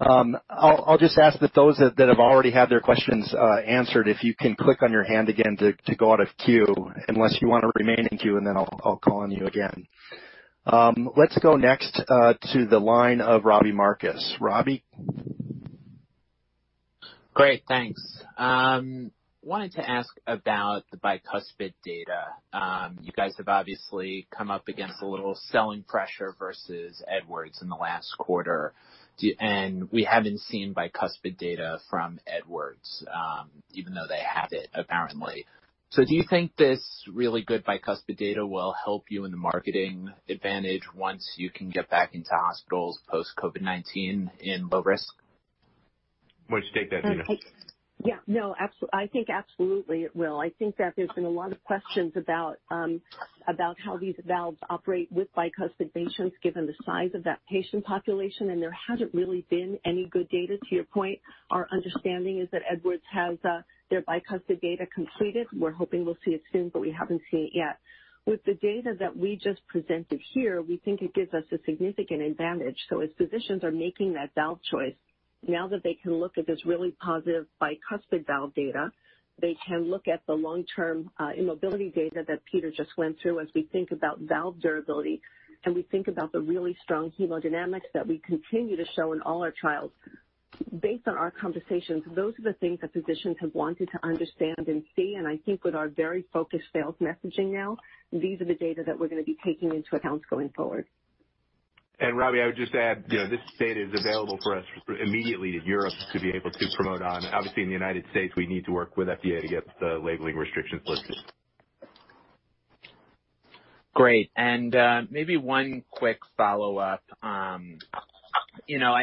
I'll just ask that those that have already had their questions answered, if you can click on your hand again to go out of queue, unless you want to remain in queue, then I'll call on you again. Let's go next to the line of Robbie Marcus. Robbie? Great, thanks. Wanted to ask about the bicuspid data. You guys have obviously come up against a little selling pressure versus Edwards in the last quarter. We haven't seen bicuspid data from Edwards, even though they have it apparently. Do you think this really good bicuspid data will help you in the marketing advantage once you can get back into hospitals post COVID-19 in low risk? Why don't you take that, Nina? Yeah. No, I think absolutely it will. I think that there's been a lot of questions about how these valves operate with bicuspid patients, given the size of that patient population, and there hasn't really been any good data, to your point. Our understanding is that Edwards has their bicuspid data completed. We're hoping we'll see it soon, but we haven't seen it yet. With the data that we just presented here, we think it gives us a significant advantage. As physicians are making that valve choice, now that they can look at this really positive bicuspid valve data, they can look at the long-term immobility data that Pieter just went through as we think about valve durability, and we think about the really strong hemodynamics that we continue to show in all our trials. Based on our conversations, those are the things that physicians have wanted to understand and see, and I think with our very focused sales messaging now, these are the data that we're going to be taking into accounts going forward. Robbie, I would just add, this data is available for us immediately to Europe to be able to promote on. Obviously, in the United States, we need to work with FDA to get the labeling restrictions lifted. Great. Maybe one quick follow-up. I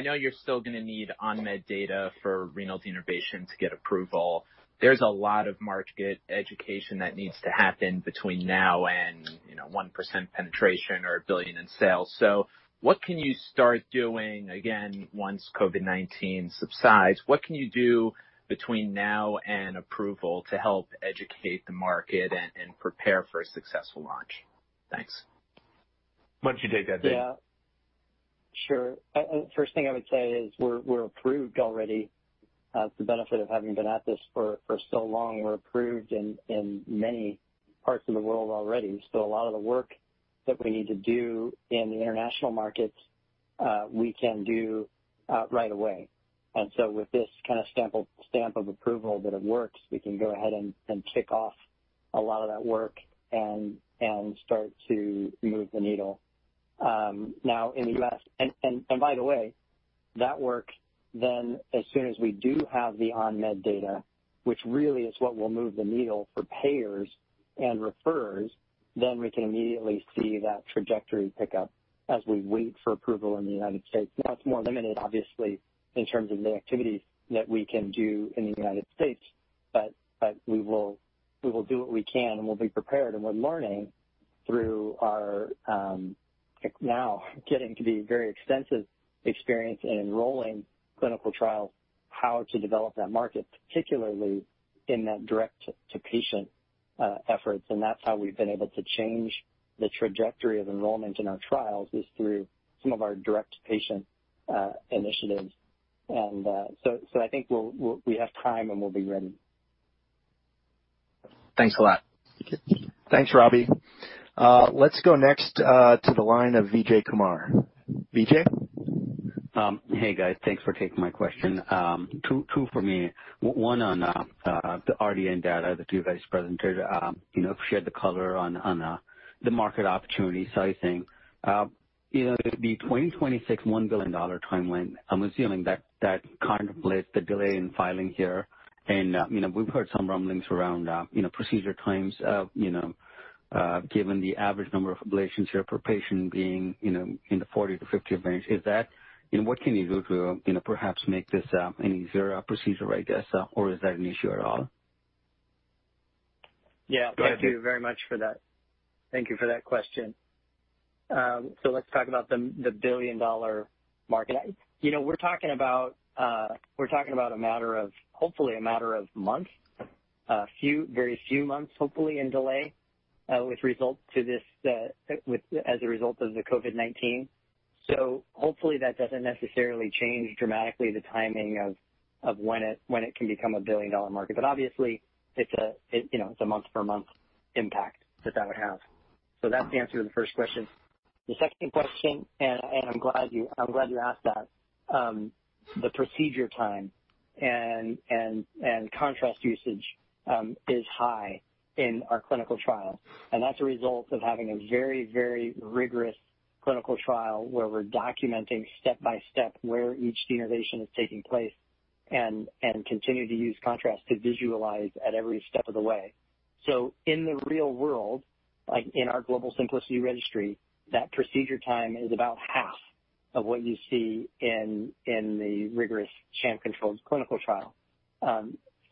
know you're still going to need ON-MED data for renal denervation to get approval. There's a lot of market education that needs to happen between now and 1% penetration or a billion in sales. What can you start doing, again, once COVID-19 subsides? What can you do between now and approval to help educate the market and prepare for a successful launch? Thanks. Why don't you take that, Dave? Yeah. Sure. First thing I would say is we're approved already. The benefit of having been at this for so long, we're approved in many parts of the world already. A lot of the work that we need to do in the international markets, we can do right away. With this kind of stamp of approval that it works, we can go ahead and kick off a lot of that work and start to move the needle. Now in the U.S., and by the way, that work then as soon as we do have the ON-MED data, which really is what will move the needle for payers and referrers, then we can immediately see that trajectory pick up as we wait for approval in the United States. Now it's more limited, obviously, in terms of the activities that we can do in the U.S., but we will do what we can, and we'll be prepared, and we're learning through our now getting to be very extensive experience in enrolling clinical trials, how to develop that market, particularly in that direct-to-patient efforts. That's how we've been able to change the trajectory of enrollment in our trials is through some of our direct patient initiatives. I think we have time, and we'll be ready. Thanks a lot. Thanks, Robbie. Let's go next to the line of Vijay Kumar. Vijay? Hey, guys. Thanks for taking my question. Two for me. One on the RDN data, the two of you vice presidents shared the color on the market opportunity sizing. The 2026 $1 billion timeline, I'm assuming that contemplates the delay in filing here, and we've heard some rumblings around procedure times. Given the average number of ablations here per patient being in the 40-50 range. What can you do to perhaps make this an easier procedure, I guess? Is that an issue at all? Yeah. Thank you very much for that. Thank you for that question. Let's talk about the billion-dollar market. We're talking about hopefully a matter of months, a very few months, hopefully, in delay as a result of the COVID-19. Hopefully that doesn't necessarily change dramatically the timing of when it can become a billion-dollar market. Obviously, it's a month-per-month impact that would have. That's the answer to the first question. The second question, I'm glad you asked that. The procedure time and contrast usage is high in our clinical trial, and that's a result of having a very rigorous clinical trial where we're documenting step by step where each denervation is taking place and continue to use contrast to visualize at every step of the way. In the real world, like in our global SYMPLICITY registry, that procedure time is about half of what you see in the rigorous sham-controlled clinical trial.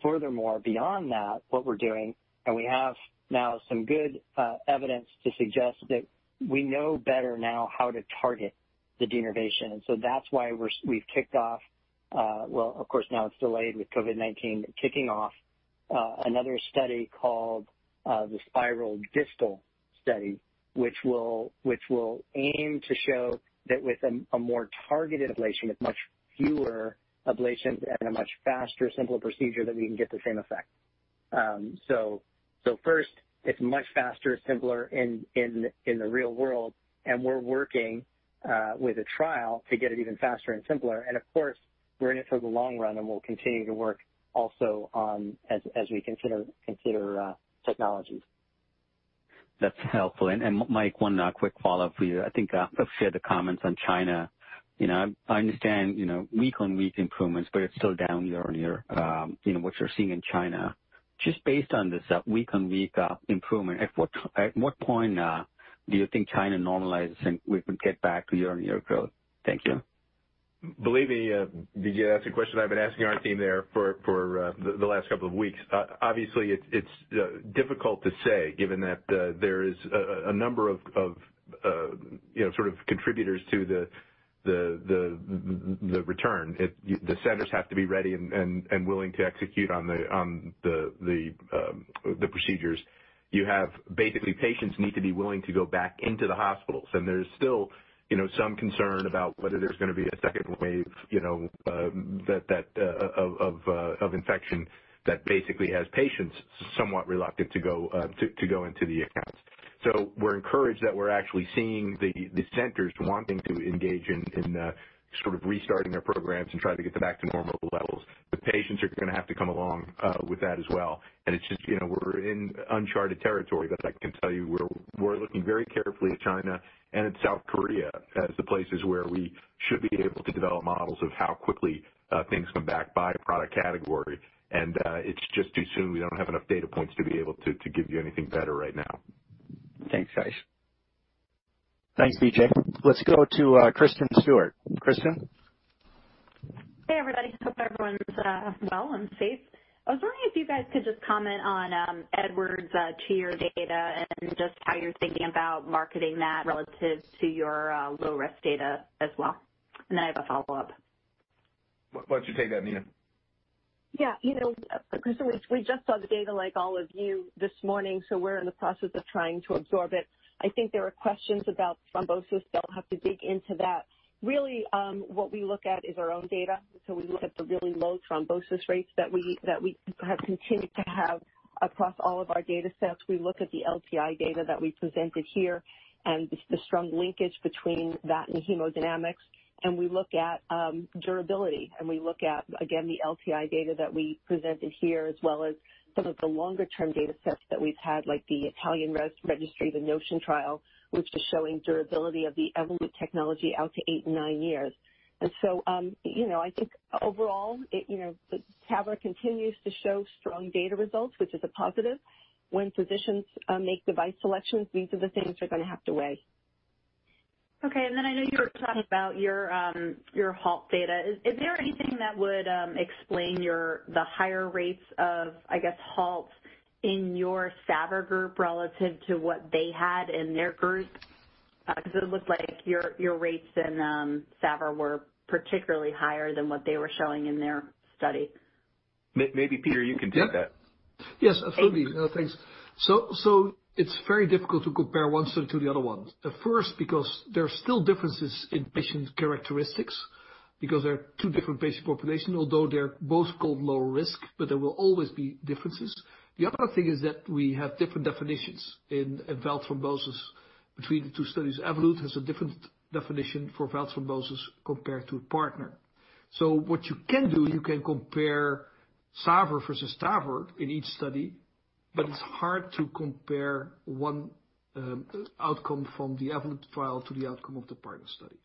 Furthermore, beyond that, what we're doing, and we have now some good evidence to suggest that we know better now how to target the denervation. That's why we've kicked off, well, of course, now it's delayed with COVID-19, but kicking off another study called the SPYRAL DYSTAL Study, which will aim to show that with a more targeted ablation, with much fewer ablations and a much faster, simpler procedure, that we can get the same effect. First, it's much faster, simpler in the real world, and we're working with a trial to get it even faster and simpler. Of course, we're in it for the long run, and we'll continue to work also as we consider technologies. That's helpful. Mike, one quick follow-up for you. I think Afshin had the comments on China. I understand week-on-week improvements, but it's still down year-on-year, what you're seeing in China. Just based on this week-on-week improvement, at what point do you think China normalizes, and we can get back to year-on-year growth? Thank you. Believe me, Vijay, that's a question I've been asking our team there for the last couple of weeks. Obviously, it's difficult to say, given that there is a number of contributors to the return. The centers have to be ready and willing to execute on the procedures. Patients need to be willing to go back into the hospitals, there's still some concern about whether there's going to be a second wave of infection that basically has patients somewhat reluctant to go into the accounts. We're encouraged that we're actually seeing the centers wanting to engage in sort of restarting their programs and trying to get them back to normal levels. The patients are going to have to come along with that as well. It's just we're in uncharted territory. I can tell you, we're looking very carefully at China and at South Korea as the places where we should be able to develop models of how quickly things come back by product category. It's just too soon. We don't have enough data points to be able to give you anything better right now. Thanks, guys. Thanks, Vijay. Let's go to Kristen Stewart. Kristen? Hey, everybody. Hope everyone's well and safe. I was wondering if you guys could just comment on Edwards' TEER data and just how you're thinking about marketing that relative to your low-risk data as well. I have a follow-up. Why don't you take that, Nina? Yeah. Kristen, we just saw the data like all of you this morning. We're in the process of trying to absorb it. I think there are questions about thrombosis that I'll have to dig into that. Really, what we look at is our own data. We look at the really low thrombosis rates that we have continued to have across all of our data sets. We look at the LTI data that we presented here and the strong linkage between that and the hemodynamics. We look at durability, and we look at, again, the LTI data that we presented here, as well as some of the longer-term data sets that we've had, like the Italian registry, the NOTION trial, which is showing durability of the Evolut technology out to eight and nine years. I think overall, the TAVR continues to show strong data results, which is a positive. When physicians make device selections, these are the things they're going to have to weigh. Okay. I know you were talking about your HALT data. Is there anything that would explain the higher rates of, I guess, HALTs in your SAVR group relative to what they had in their group? It looked like your rates in SAVR were particularly higher than what they were showing in their study. Maybe Pieter, you can take that. Yes, absolutely. No, thanks. It's very difficult to compare one study to the other one. Because there are still differences in patient characteristics, because they're two different patient populations, although they're both called low risk, but there will always be differences. The other thing is that we have different definitions in valve thrombosis between the two studies. Evolut has a different definition for valve thrombosis compared to PARTNER. What you can do, you can compare SAVR versus TAVR in each study, but it's hard to compare one outcome from the Evolut trial to the outcome of the PARTNER study.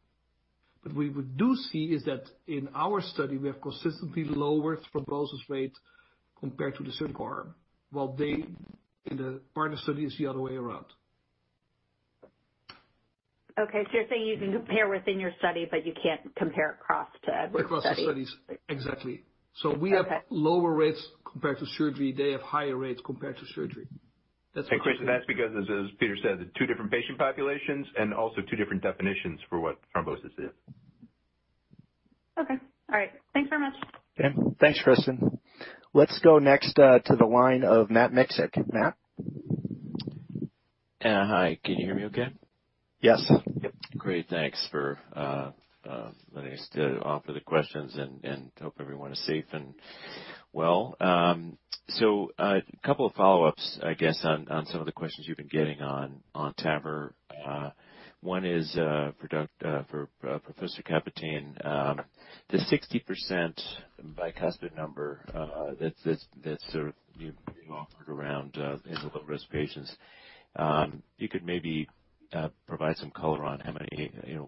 What we do see is that in our study, we have consistently lower thrombosis rates compared to the SAPIEN 3, while they, in the PARTNER 3 study, is the other way around. Okay. You're saying you can compare within your study, but you can't compare across to other studies? Across the studies. Exactly. We have lower rates compared to surgery. They have higher rates compared to surgery. Kristen, that's because, as Pieter said, they're two different patient populations, and also two different definitions for what thrombosis is. Okay. All right. Thanks very much. Okay. Thanks, Kristen. Let's go next to the line of Matt Miksic. Matt? Hi, can you hear me okay? Yes. Yep. Great. Thanks for letting us offer the questions, and hope everyone is safe and well. A couple of follow-ups, I guess, on some of the questions you've been getting on TAVR. One is for Professor Kappetein. The 60% bicuspid number that you offered around in the low-risk patients. If you could maybe provide some color on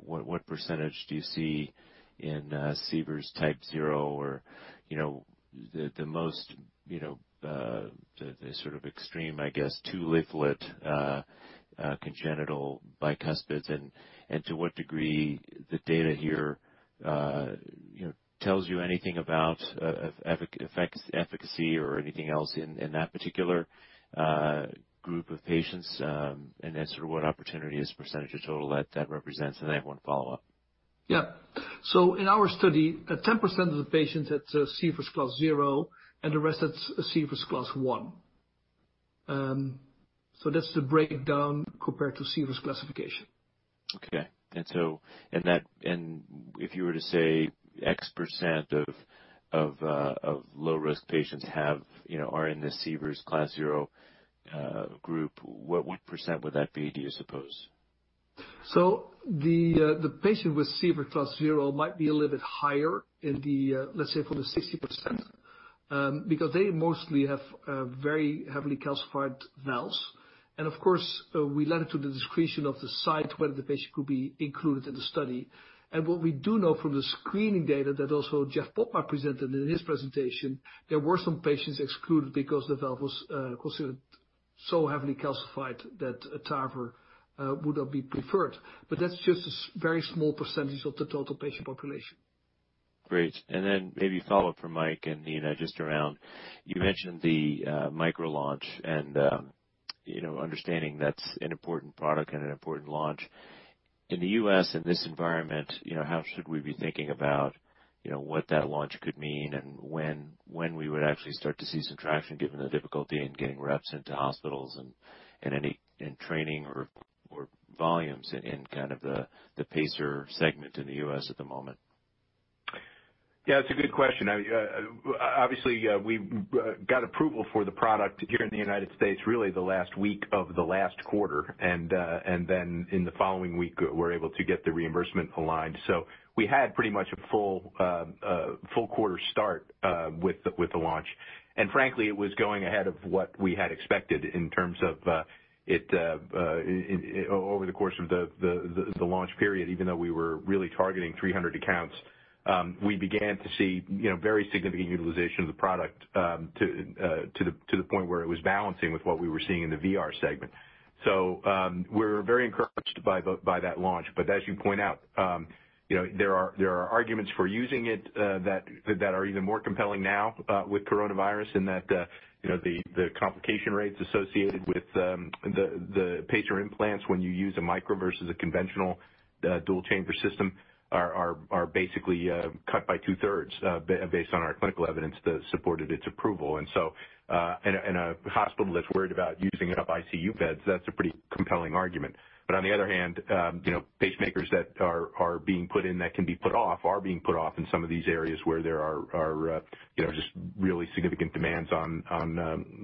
what percentage do you see in Sievers type 0? The most extreme, I guess, two leaflet congenital bicuspids, and to what degree the data here tells you anything about efficacy or anything else in that particular group of patients, and then sort of what opportunity as a % of total that represents. I have one follow-up. Yeah. In our study, 10% of the patients had Sievers class 0 and the rest had Sievers class 1. That's the breakdown compared to Sievers classification. Okay. If you were to say X% of low-risk patients are in this Sievers class 0 group, what percent would that be, do you suppose? The patient with Sievers class 0 might be a little bit higher in the, let's say, for the 60%, because they mostly have very heavily calcified valves. Of course, we left it to the discretion of the site whether the patient could be included in the study. What we do know from the screening data that also Jeff Popma presented in his presentation, there were some patients excluded because the valve was considered so heavily calcified that a TAVR would not be preferred. That's just a very small percentage of the total patient population. Great. Maybe a follow-up for Mike and Nina just around, you mentioned the Micra launch and understanding that's an important product and an important launch. In the U.S., in this environment, how should we be thinking about what that launch could mean and when we would actually start to see some traction given the difficulty in getting reps into hospitals, and training or volumes in kind of the pacer segment in the U.S. at the moment? Yeah, it's a good question. Obviously, we got approval for the product here in the United States, really the last week of the last quarter. In the following week, we were able to get the reimbursement aligned. We had pretty much a full quarter start with the launch. Frankly, it was going ahead of what we had expected in terms of over the course of the launch period, even though we were really targeting 300 accounts. We began to see very significant utilization of the product to the point where it was balancing with what we were seeing in the VR segment. We're very encouraged by that launch. As you point out, there are arguments for using it that are even more compelling now with coronavirus in that the complication rates associated with the pacer implants when you use a Micra versus a conventional dual chamber system are basically cut by 2/3, based on our clinical evidence that supported its approval. A hospital that's worried about using up ICU beds, that's a pretty compelling argument. On the other hand, pacemakers that are being put in that can be put off are being put off in some of these areas where there are just really significant demands on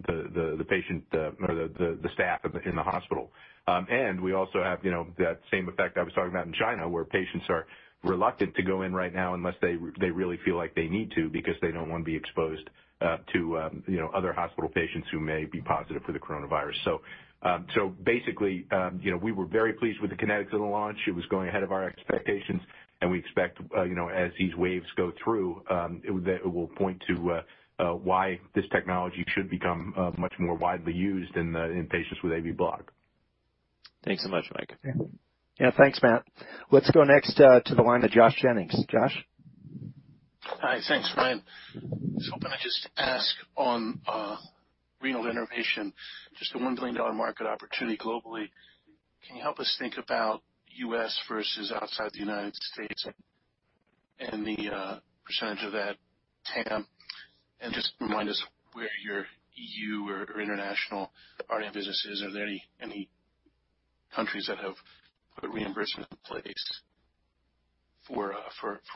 the patient or the staff in the hospital. We also have that same effect I was talking about in China, where patients are reluctant to go in right now unless they really feel like they need to because they don't want to be exposed to other hospital patients who may be positive for the coronavirus. Basically, we were very pleased with the kinetics of the launch. It was going ahead of our expectations, and we expect as these waves go through, that it will point to why this technology should become much more widely used in patients with AV block. Thanks so much, Mike. Yeah. Thanks, Matt. Let's go next to the line of Josh Jennings. Josh? Hi. Thanks, Ryan. I was hoping I'd just ask on renal denervation, just a $1 billion market opportunity globally. Can you help us think about U.S. versus outside the United States and the percentage of that TAM? Just remind us where your EU or international RDN business is. Are there any countries that have put reimbursement in place for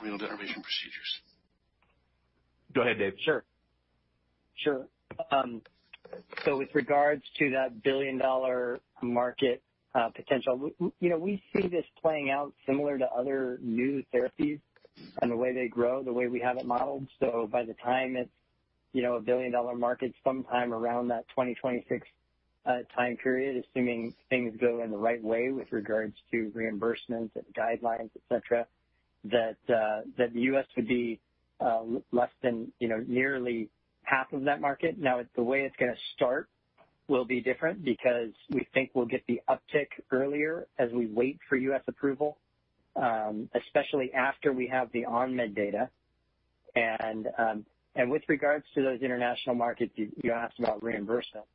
renal denervation procedures? Go ahead, Dave. Sure. With regards to that billion-dollar market potential, we see this playing out similar to other new therapies and the way they grow, the way we have it modeled. By the time it's a billion-dollar market, sometime around that 2026 time period, assuming things go in the right way with regards to reimbursements and guidelines, et cetera, that the U.S. would be less than nearly half of that market. Now, the way it's going to start will be different, because we think we'll get the uptick earlier as we wait for U.S. approval, especially after we have the ON-MED data. With regards to those international markets, you asked about reimbursement.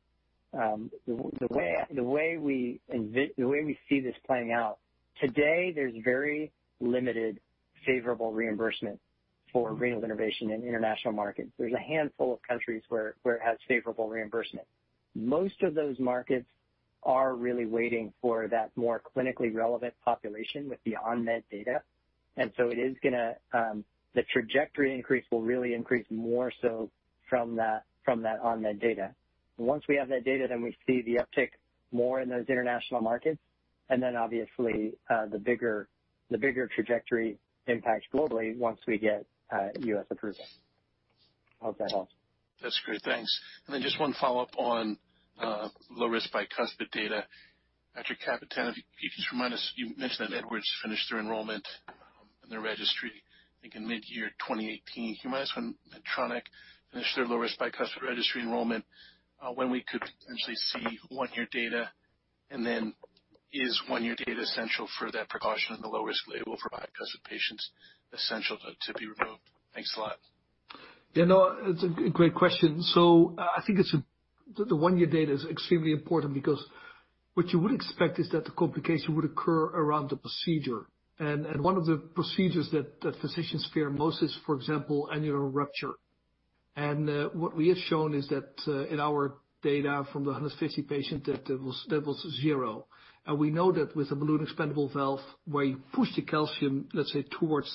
The way we see this playing out, today, there's very limited favorable reimbursement for renal denervation in international markets. There's a handful of countries where it has favorable reimbursement. Most of those markets are really waiting for that more clinically relevant population with the ON-MED data. The trajectory increase will really increase more so from that ON-MED data. Once we have that data, then we see the uptick more in those international markets, and then obviously, the bigger trajectory impacts globally once we get U.S. approval. I hope that helps. That's great. Thanks. Just one follow-up on Low Risk Bicuspid data. Pieter, if you could just remind us, you mentioned that Edwards finished their enrollment in their registry, I think, in mid-year 2018. Can you remind us when Medtronic finished their Low Risk Bicuspid registry enrollment, when we could potentially see one-year data? Is one-year data essential for that precaution and the low-risk label for bicuspid patients essential to be removed? Thanks a lot. Yeah, no, it's a great question. I think the one-year data is extremely important because what you would expect is that the complication would occur around the procedure. One of the procedures that physicians fear most is, for example, annular rupture. What we have shown is that in our data from the 150 patients, that was zero. We know that with the balloon expandable valve, where you push the calcium, let's say, towards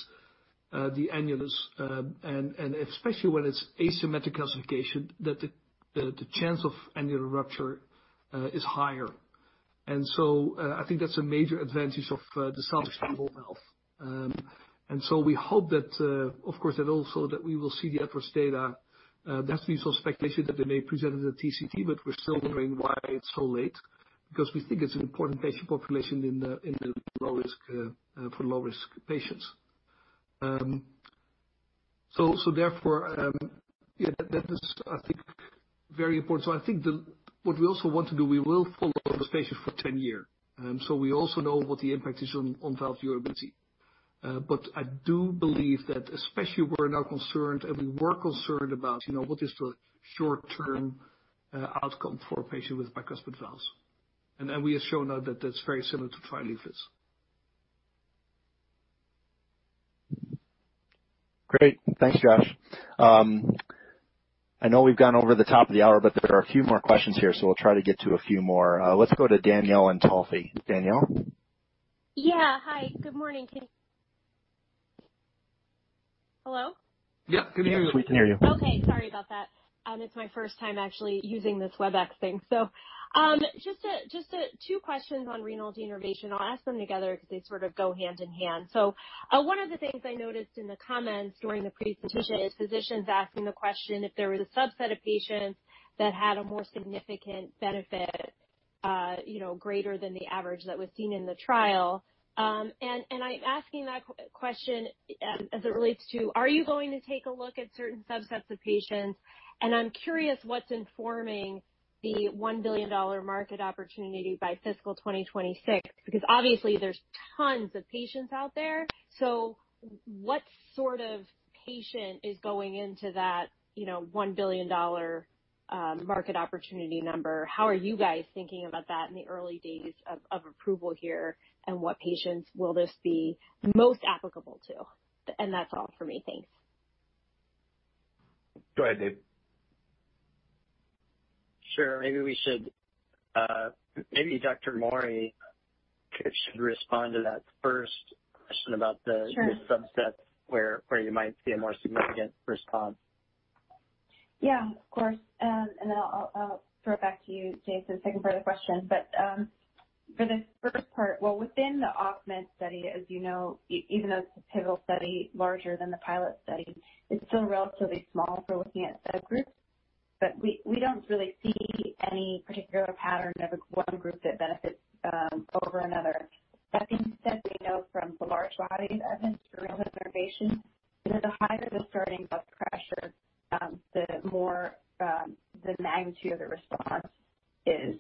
the annulus, and especially when it's asymmetric calcification, that the chance of annular rupture is higher. I think that's a major advantage of the self-expandable valve. We hope that, of course, that also we will see the adverse data. That's the expectation that they may present at the TCT, but we're still wondering why it's so late, because we think it's an important patient population for low-risk patients. Therefore, that is, I think, very important. I think what we also want to do, we will follow the patients for 10 years. We also know what the impact is on valve durability. I do believe that especially we're now concerned, and we were concerned about what is the short-term outcome for a patient with bicuspid valves. We have shown now that that's very similar to trileaflets. Great. Thanks, Josh. I know we've gone over the top of the hour, but there are a few more questions here, so we'll try to get to a few more. Let's go to Danielle Antalffy. Danielle? Yeah. Hi, good morning. Can you hear me? Hello? Yep. Can hear you. Yes, we can hear you. Okay. Sorry about that. It is my first time actually using this Webex thing. Just two questions on renal denervation. I will ask them together because they sort of go hand in hand. One of the things I noticed in the comments during the presentation is physicians asking the question if there was a subset of patients that had a more significant benefit, greater than the average that was seen in the trial. I am asking that question as it relates to, are you going to take a look at certain subsets of patients? I am curious what is informing the $1 billion market opportunity by fiscal 2026, because obviously there are tons of patients out there. What sort of patient is going into that $1 billion market opportunity number? How are you guys thinking about that in the early days of approval here, and what patients will this be most applicable to? That's all for me. Thanks. Go ahead, Dave. Sure. Maybe Dr. Mauri should respond to that first question. Sure subset where you might see a more significant response. Yeah. Of course. I'll throw it back to you, Dave, for the second part of the question. For the first part, well, within the OFF-MED study, as you know, even though it's a pivotal study larger than the pilot study, it's still relatively small for looking at subgroups. We don't really see any particular pattern of one group that benefits over another. That being said, we know from the large body of evidence for renal denervation that the higher the starting blood pressure, the more the magnitude of the response is.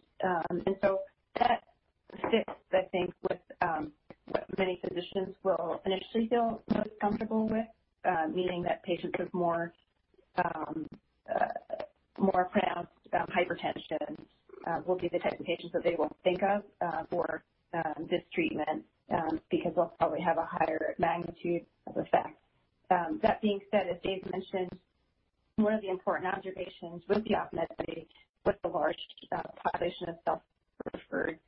That fits, I think, with what many physicians will initially feel most comfortable with. Meaning that patients with more pronounced hypertension will be the type of patients that they will think of for this treatment, because they'll probably have a higher magnitude of effect. That being said, as Dave mentioned, one of the important observations with the OFF-MED study with the large population of self-referred patients,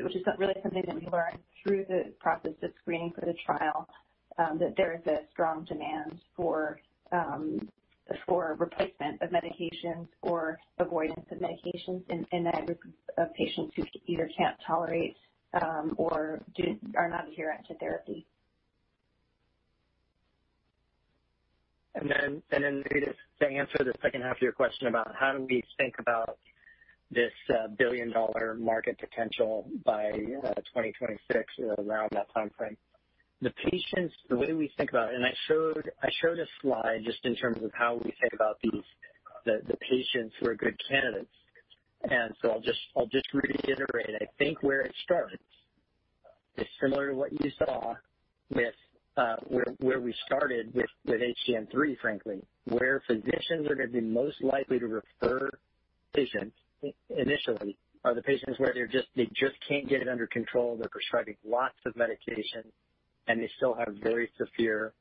which is really something that we learned through the process of screening for the trial, that there is a strong demand for replacement of medications or avoidance of medications in that group of patients who either can't tolerate or are not adherent to therapy. Then, Danielle, to answer the second half of your question about how do we think about this billion-dollar market potential by 2026, around that timeframe. The patients, the way we think about it, and I showed a slide just in terms of how we think about the patients who are good candidates. I'll just reiterate, I think where it starts is similar to what you saw with where we started with HTN-3, frankly, where physicians are going to be most likely to refer patients initially are the patients where they just can't get it under control. They're prescribing lots of medication, and they still have very severe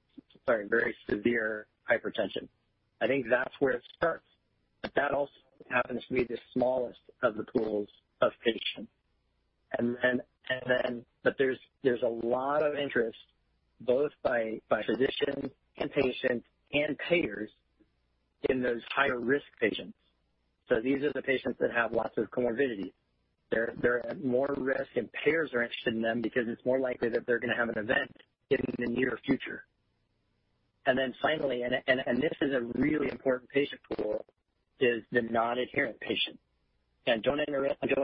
hypertension. I think that's where it starts. That also happens to be the smallest of the pools of patients. There's a lot of interest both by physicians and patients and payers in those higher-risk patients. These are the patients that have lots of comorbidities. They're at more risk, and payers are interested in them because it's more likely that they're going to have an event in the near future. Finally, and this is a really important patient pool, is the non-adherent patient. Don't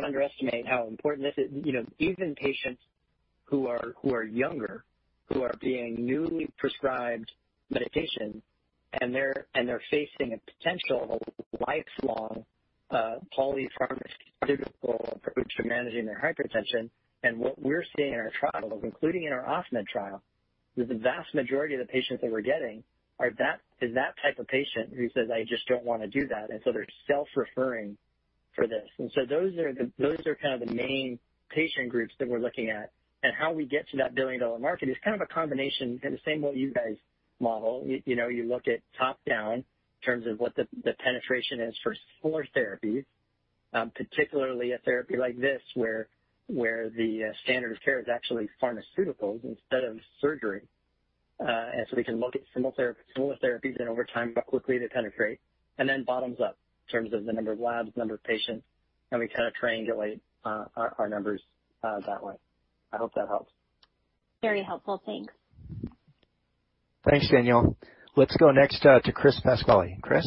underestimate how important this is. Even patients who are younger, who are being newly prescribed medication, and they're facing a potential lifelong polypharmaceutical approach to managing their hypertension. What we're seeing in our trials, including in our OFF-MED trial, is the vast majority of the patients that we're getting is that type of patient who says, "I just don't want to do that," and so they're self-referring for this. Those are kind of the main patient groups that we're looking at. How we get to that billion-dollar market is kind of a combination in the same way you guys model. You look at top-down in terms of what the penetration is for therapies. Particularly a therapy like this where the standard of care is actually pharmaceuticals instead of surgery. We can look at similar therapies and over time how quickly they penetrate, then bottoms up in terms of the number of labs, number of patients, and we kind of triangulate our numbers that way. I hope that helps. Very helpful. Thanks. Thanks, Danielle. Let's go next to Chris Pasquale. Chris?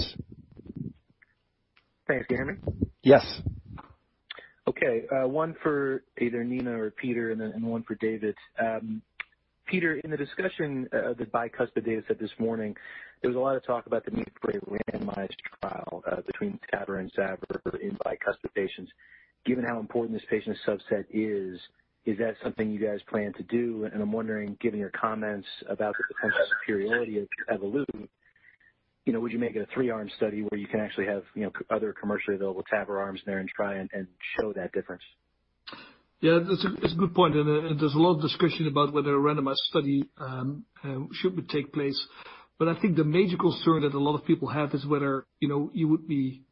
Thanks, Can you hear me? Yes. Okay. One for either Nina or Pieter and then one for Dave. Pieter, in the discussion of the bicuspid data set this morning, there was a lot of talk about the need for a randomized trial between TAVR and SAVR in bicuspid patients. Given how important this patient subset is that something you guys plan to do? I'm wondering, given your comments about the potential superiority of Evolut, would you make it a three-arm study where you can actually have other commercially available TAVR arms there and try and show that difference? Yeah, that's a good point, and there's a lot of discussion about whether a randomized study should take place. I think the major concern that a lot of people have is whether it would be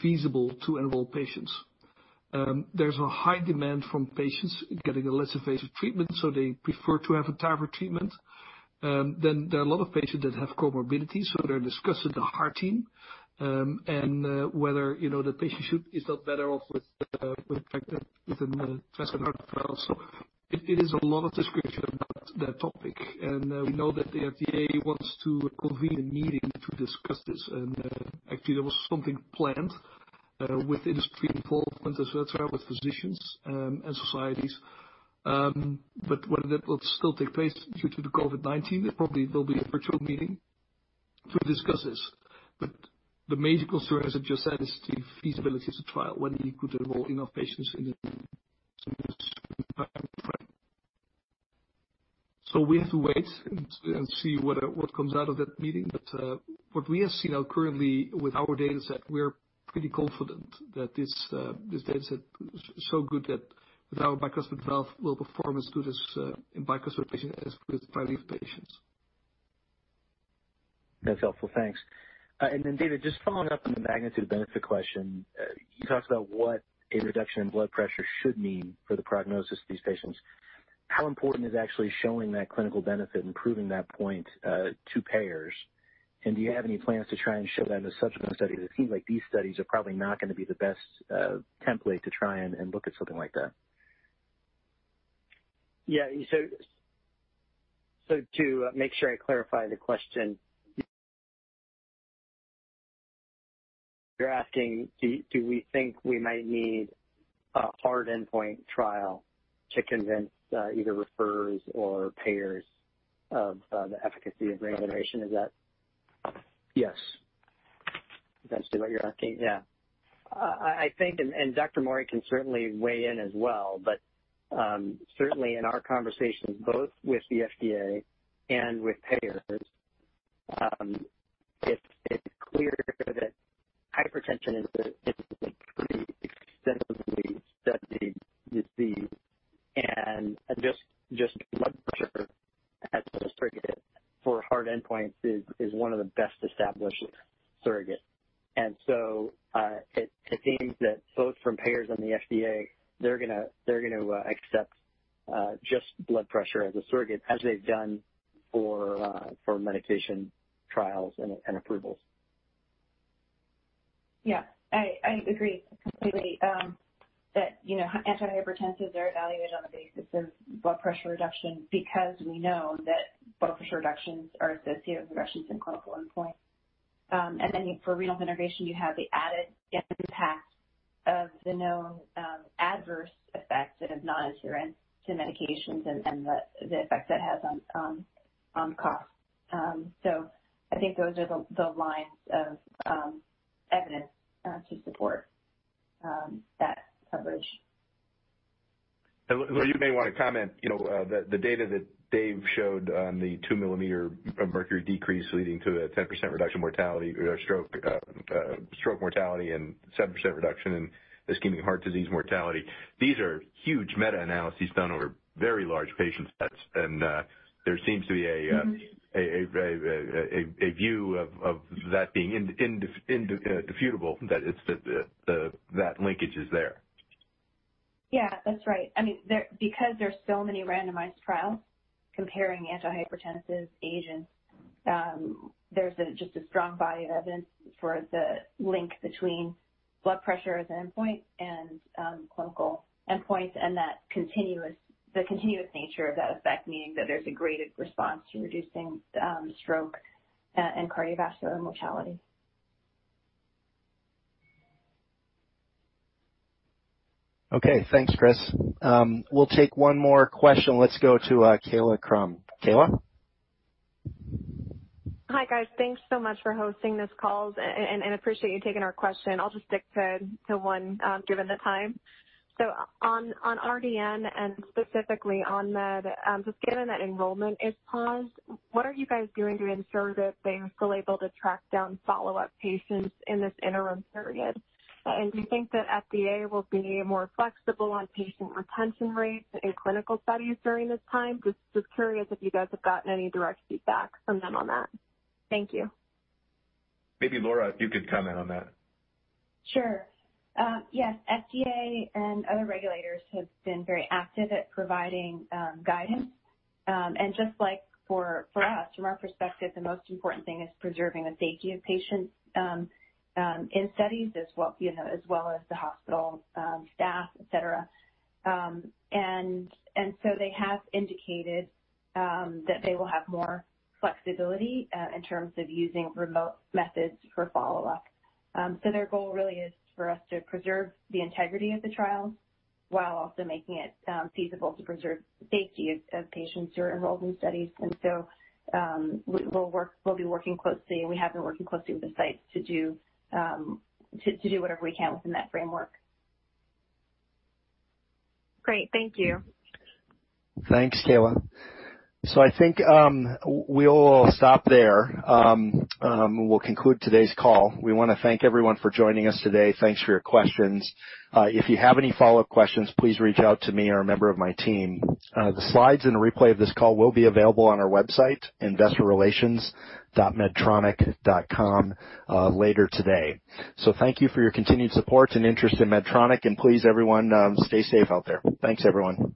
feasible to enroll patients. There's a high demand from patients getting a less invasive treatment, so they prefer to have a TAVR treatment. There are a lot of patients that have comorbidities, so they're discussed with the heart team, and whether the patient is not better off with a transcatheter trial. It is a lot of discussion about that topic, and we know that the FDA wants to convene a meeting to discuss this. Actually, there was something planned with industry involvement as well as physicians and societies. Whether that will still take place due to the COVID-19, probably there'll be a virtual meeting to discuss this. The major concern, as I just said, is the feasibility of the trial, whether you could enroll enough patients in timeframe. We have to wait and see what comes out of that meeting. What we have seen currently with our data set, we're pretty confident that this data set is so good that our bicuspid valve will perform as good as in bicuspid patients as with tri-leaflet patients. That's helpful. Thanks. David, just following up on the magnitude benefit question. You talked about what a reduction in blood pressure should mean for the prognosis of these patients. How important is actually showing that clinical benefit and proving that point to payers? Do you have any plans to try and show that in a subsequent study? It seems like these studies are probably not going to be the best template to try and look at something like that. Yeah. To make sure I clarify the question, you're asking, do we think we might need a hard endpoint trial to convince either referrers or payers of the efficacy of renal denervation. Is that? Yes. Is that what you're asking? Yeah. I think Dr. Mauri can certainly weigh in as well, but certainly in our conversations both with the FDA and with payers, it's clear that hypertension is a pretty extensively studied disease, and just blood pressure as a surrogate for hard endpoints is one of the best established surrogates. It seems that both from payers and the FDA, they're going to accept just blood pressure as a surrogate, as they've done for medication trials and approvals. Yeah, I agree completely that antihypertensives are evaluated on the basis of blood pressure reduction because we know that blood pressure reductions are associated with reductions in clinical endpoints. For renal denervation, you have the added impact of the known adverse effects of non-adherence to medications and the effect that has on cost. I think those are the lines of evidence to support that coverage. Laura, you may want to comment, the data that Dave showed on the two millimeter of mercury decrease leading to a 10% reduction mortality or stroke mortality and 7% reduction in ischemic heart disease mortality. These are huge meta-analyses done over very large patient sets. There seems to be a view of that being indisputable that linkage is there. Yeah, that's right. There's so many randomized trials comparing antihypertensives agents, there's just a strong body of evidence for the link between blood pressure as an endpoint and clinical endpoints, and the continuous nature of that effect, meaning that there's a graded response to reducing stroke and cardiovascular mortality. Okay. Thanks, Chris. We'll take one more question. Let's go to Kayla Crum. Kayla? Hi, guys. Thanks so much for hosting this call and appreciate you taking our question. I'll just stick to one given the time. On RDN and specifically, just given that enrollment is paused, what are you guys doing to ensure that things still able to track down follow-up patients in this interim period? Do you think that FDA will be more flexible on patient retention rates in clinical studies during this time? Just curious if you guys have gotten any direct feedback from them on that. Thank you. Maybe Laura, you could comment on that. Sure. Yes. FDA and other regulators have been very active at providing guidance. Just like for us, from our perspective, the most important thing is preserving the safety of patients in studies as well as the hospital staff, et cetera. They have indicated that they will have more flexibility in terms of using remote methods for follow-up. Their goal really is for us to preserve the integrity of the trials while also making it feasible to preserve the safety of patients who are enrolled in studies. We'll be working closely, and we have been working closely with the sites to do whatever we can within that framework. Great. Thank you. Thanks, Kayla. I think we'll stop there. We'll conclude today's call. We want to thank everyone for joining us today. Thanks for your questions. If you have any follow-up questions, please reach out to me or a member of my team. The slides and a replay of this call will be available on our website, investorrelations.medtronic.com later today. Thank you for your continued support and interest in Medtronic, and please, everyone, stay safe out there. Thanks, everyone.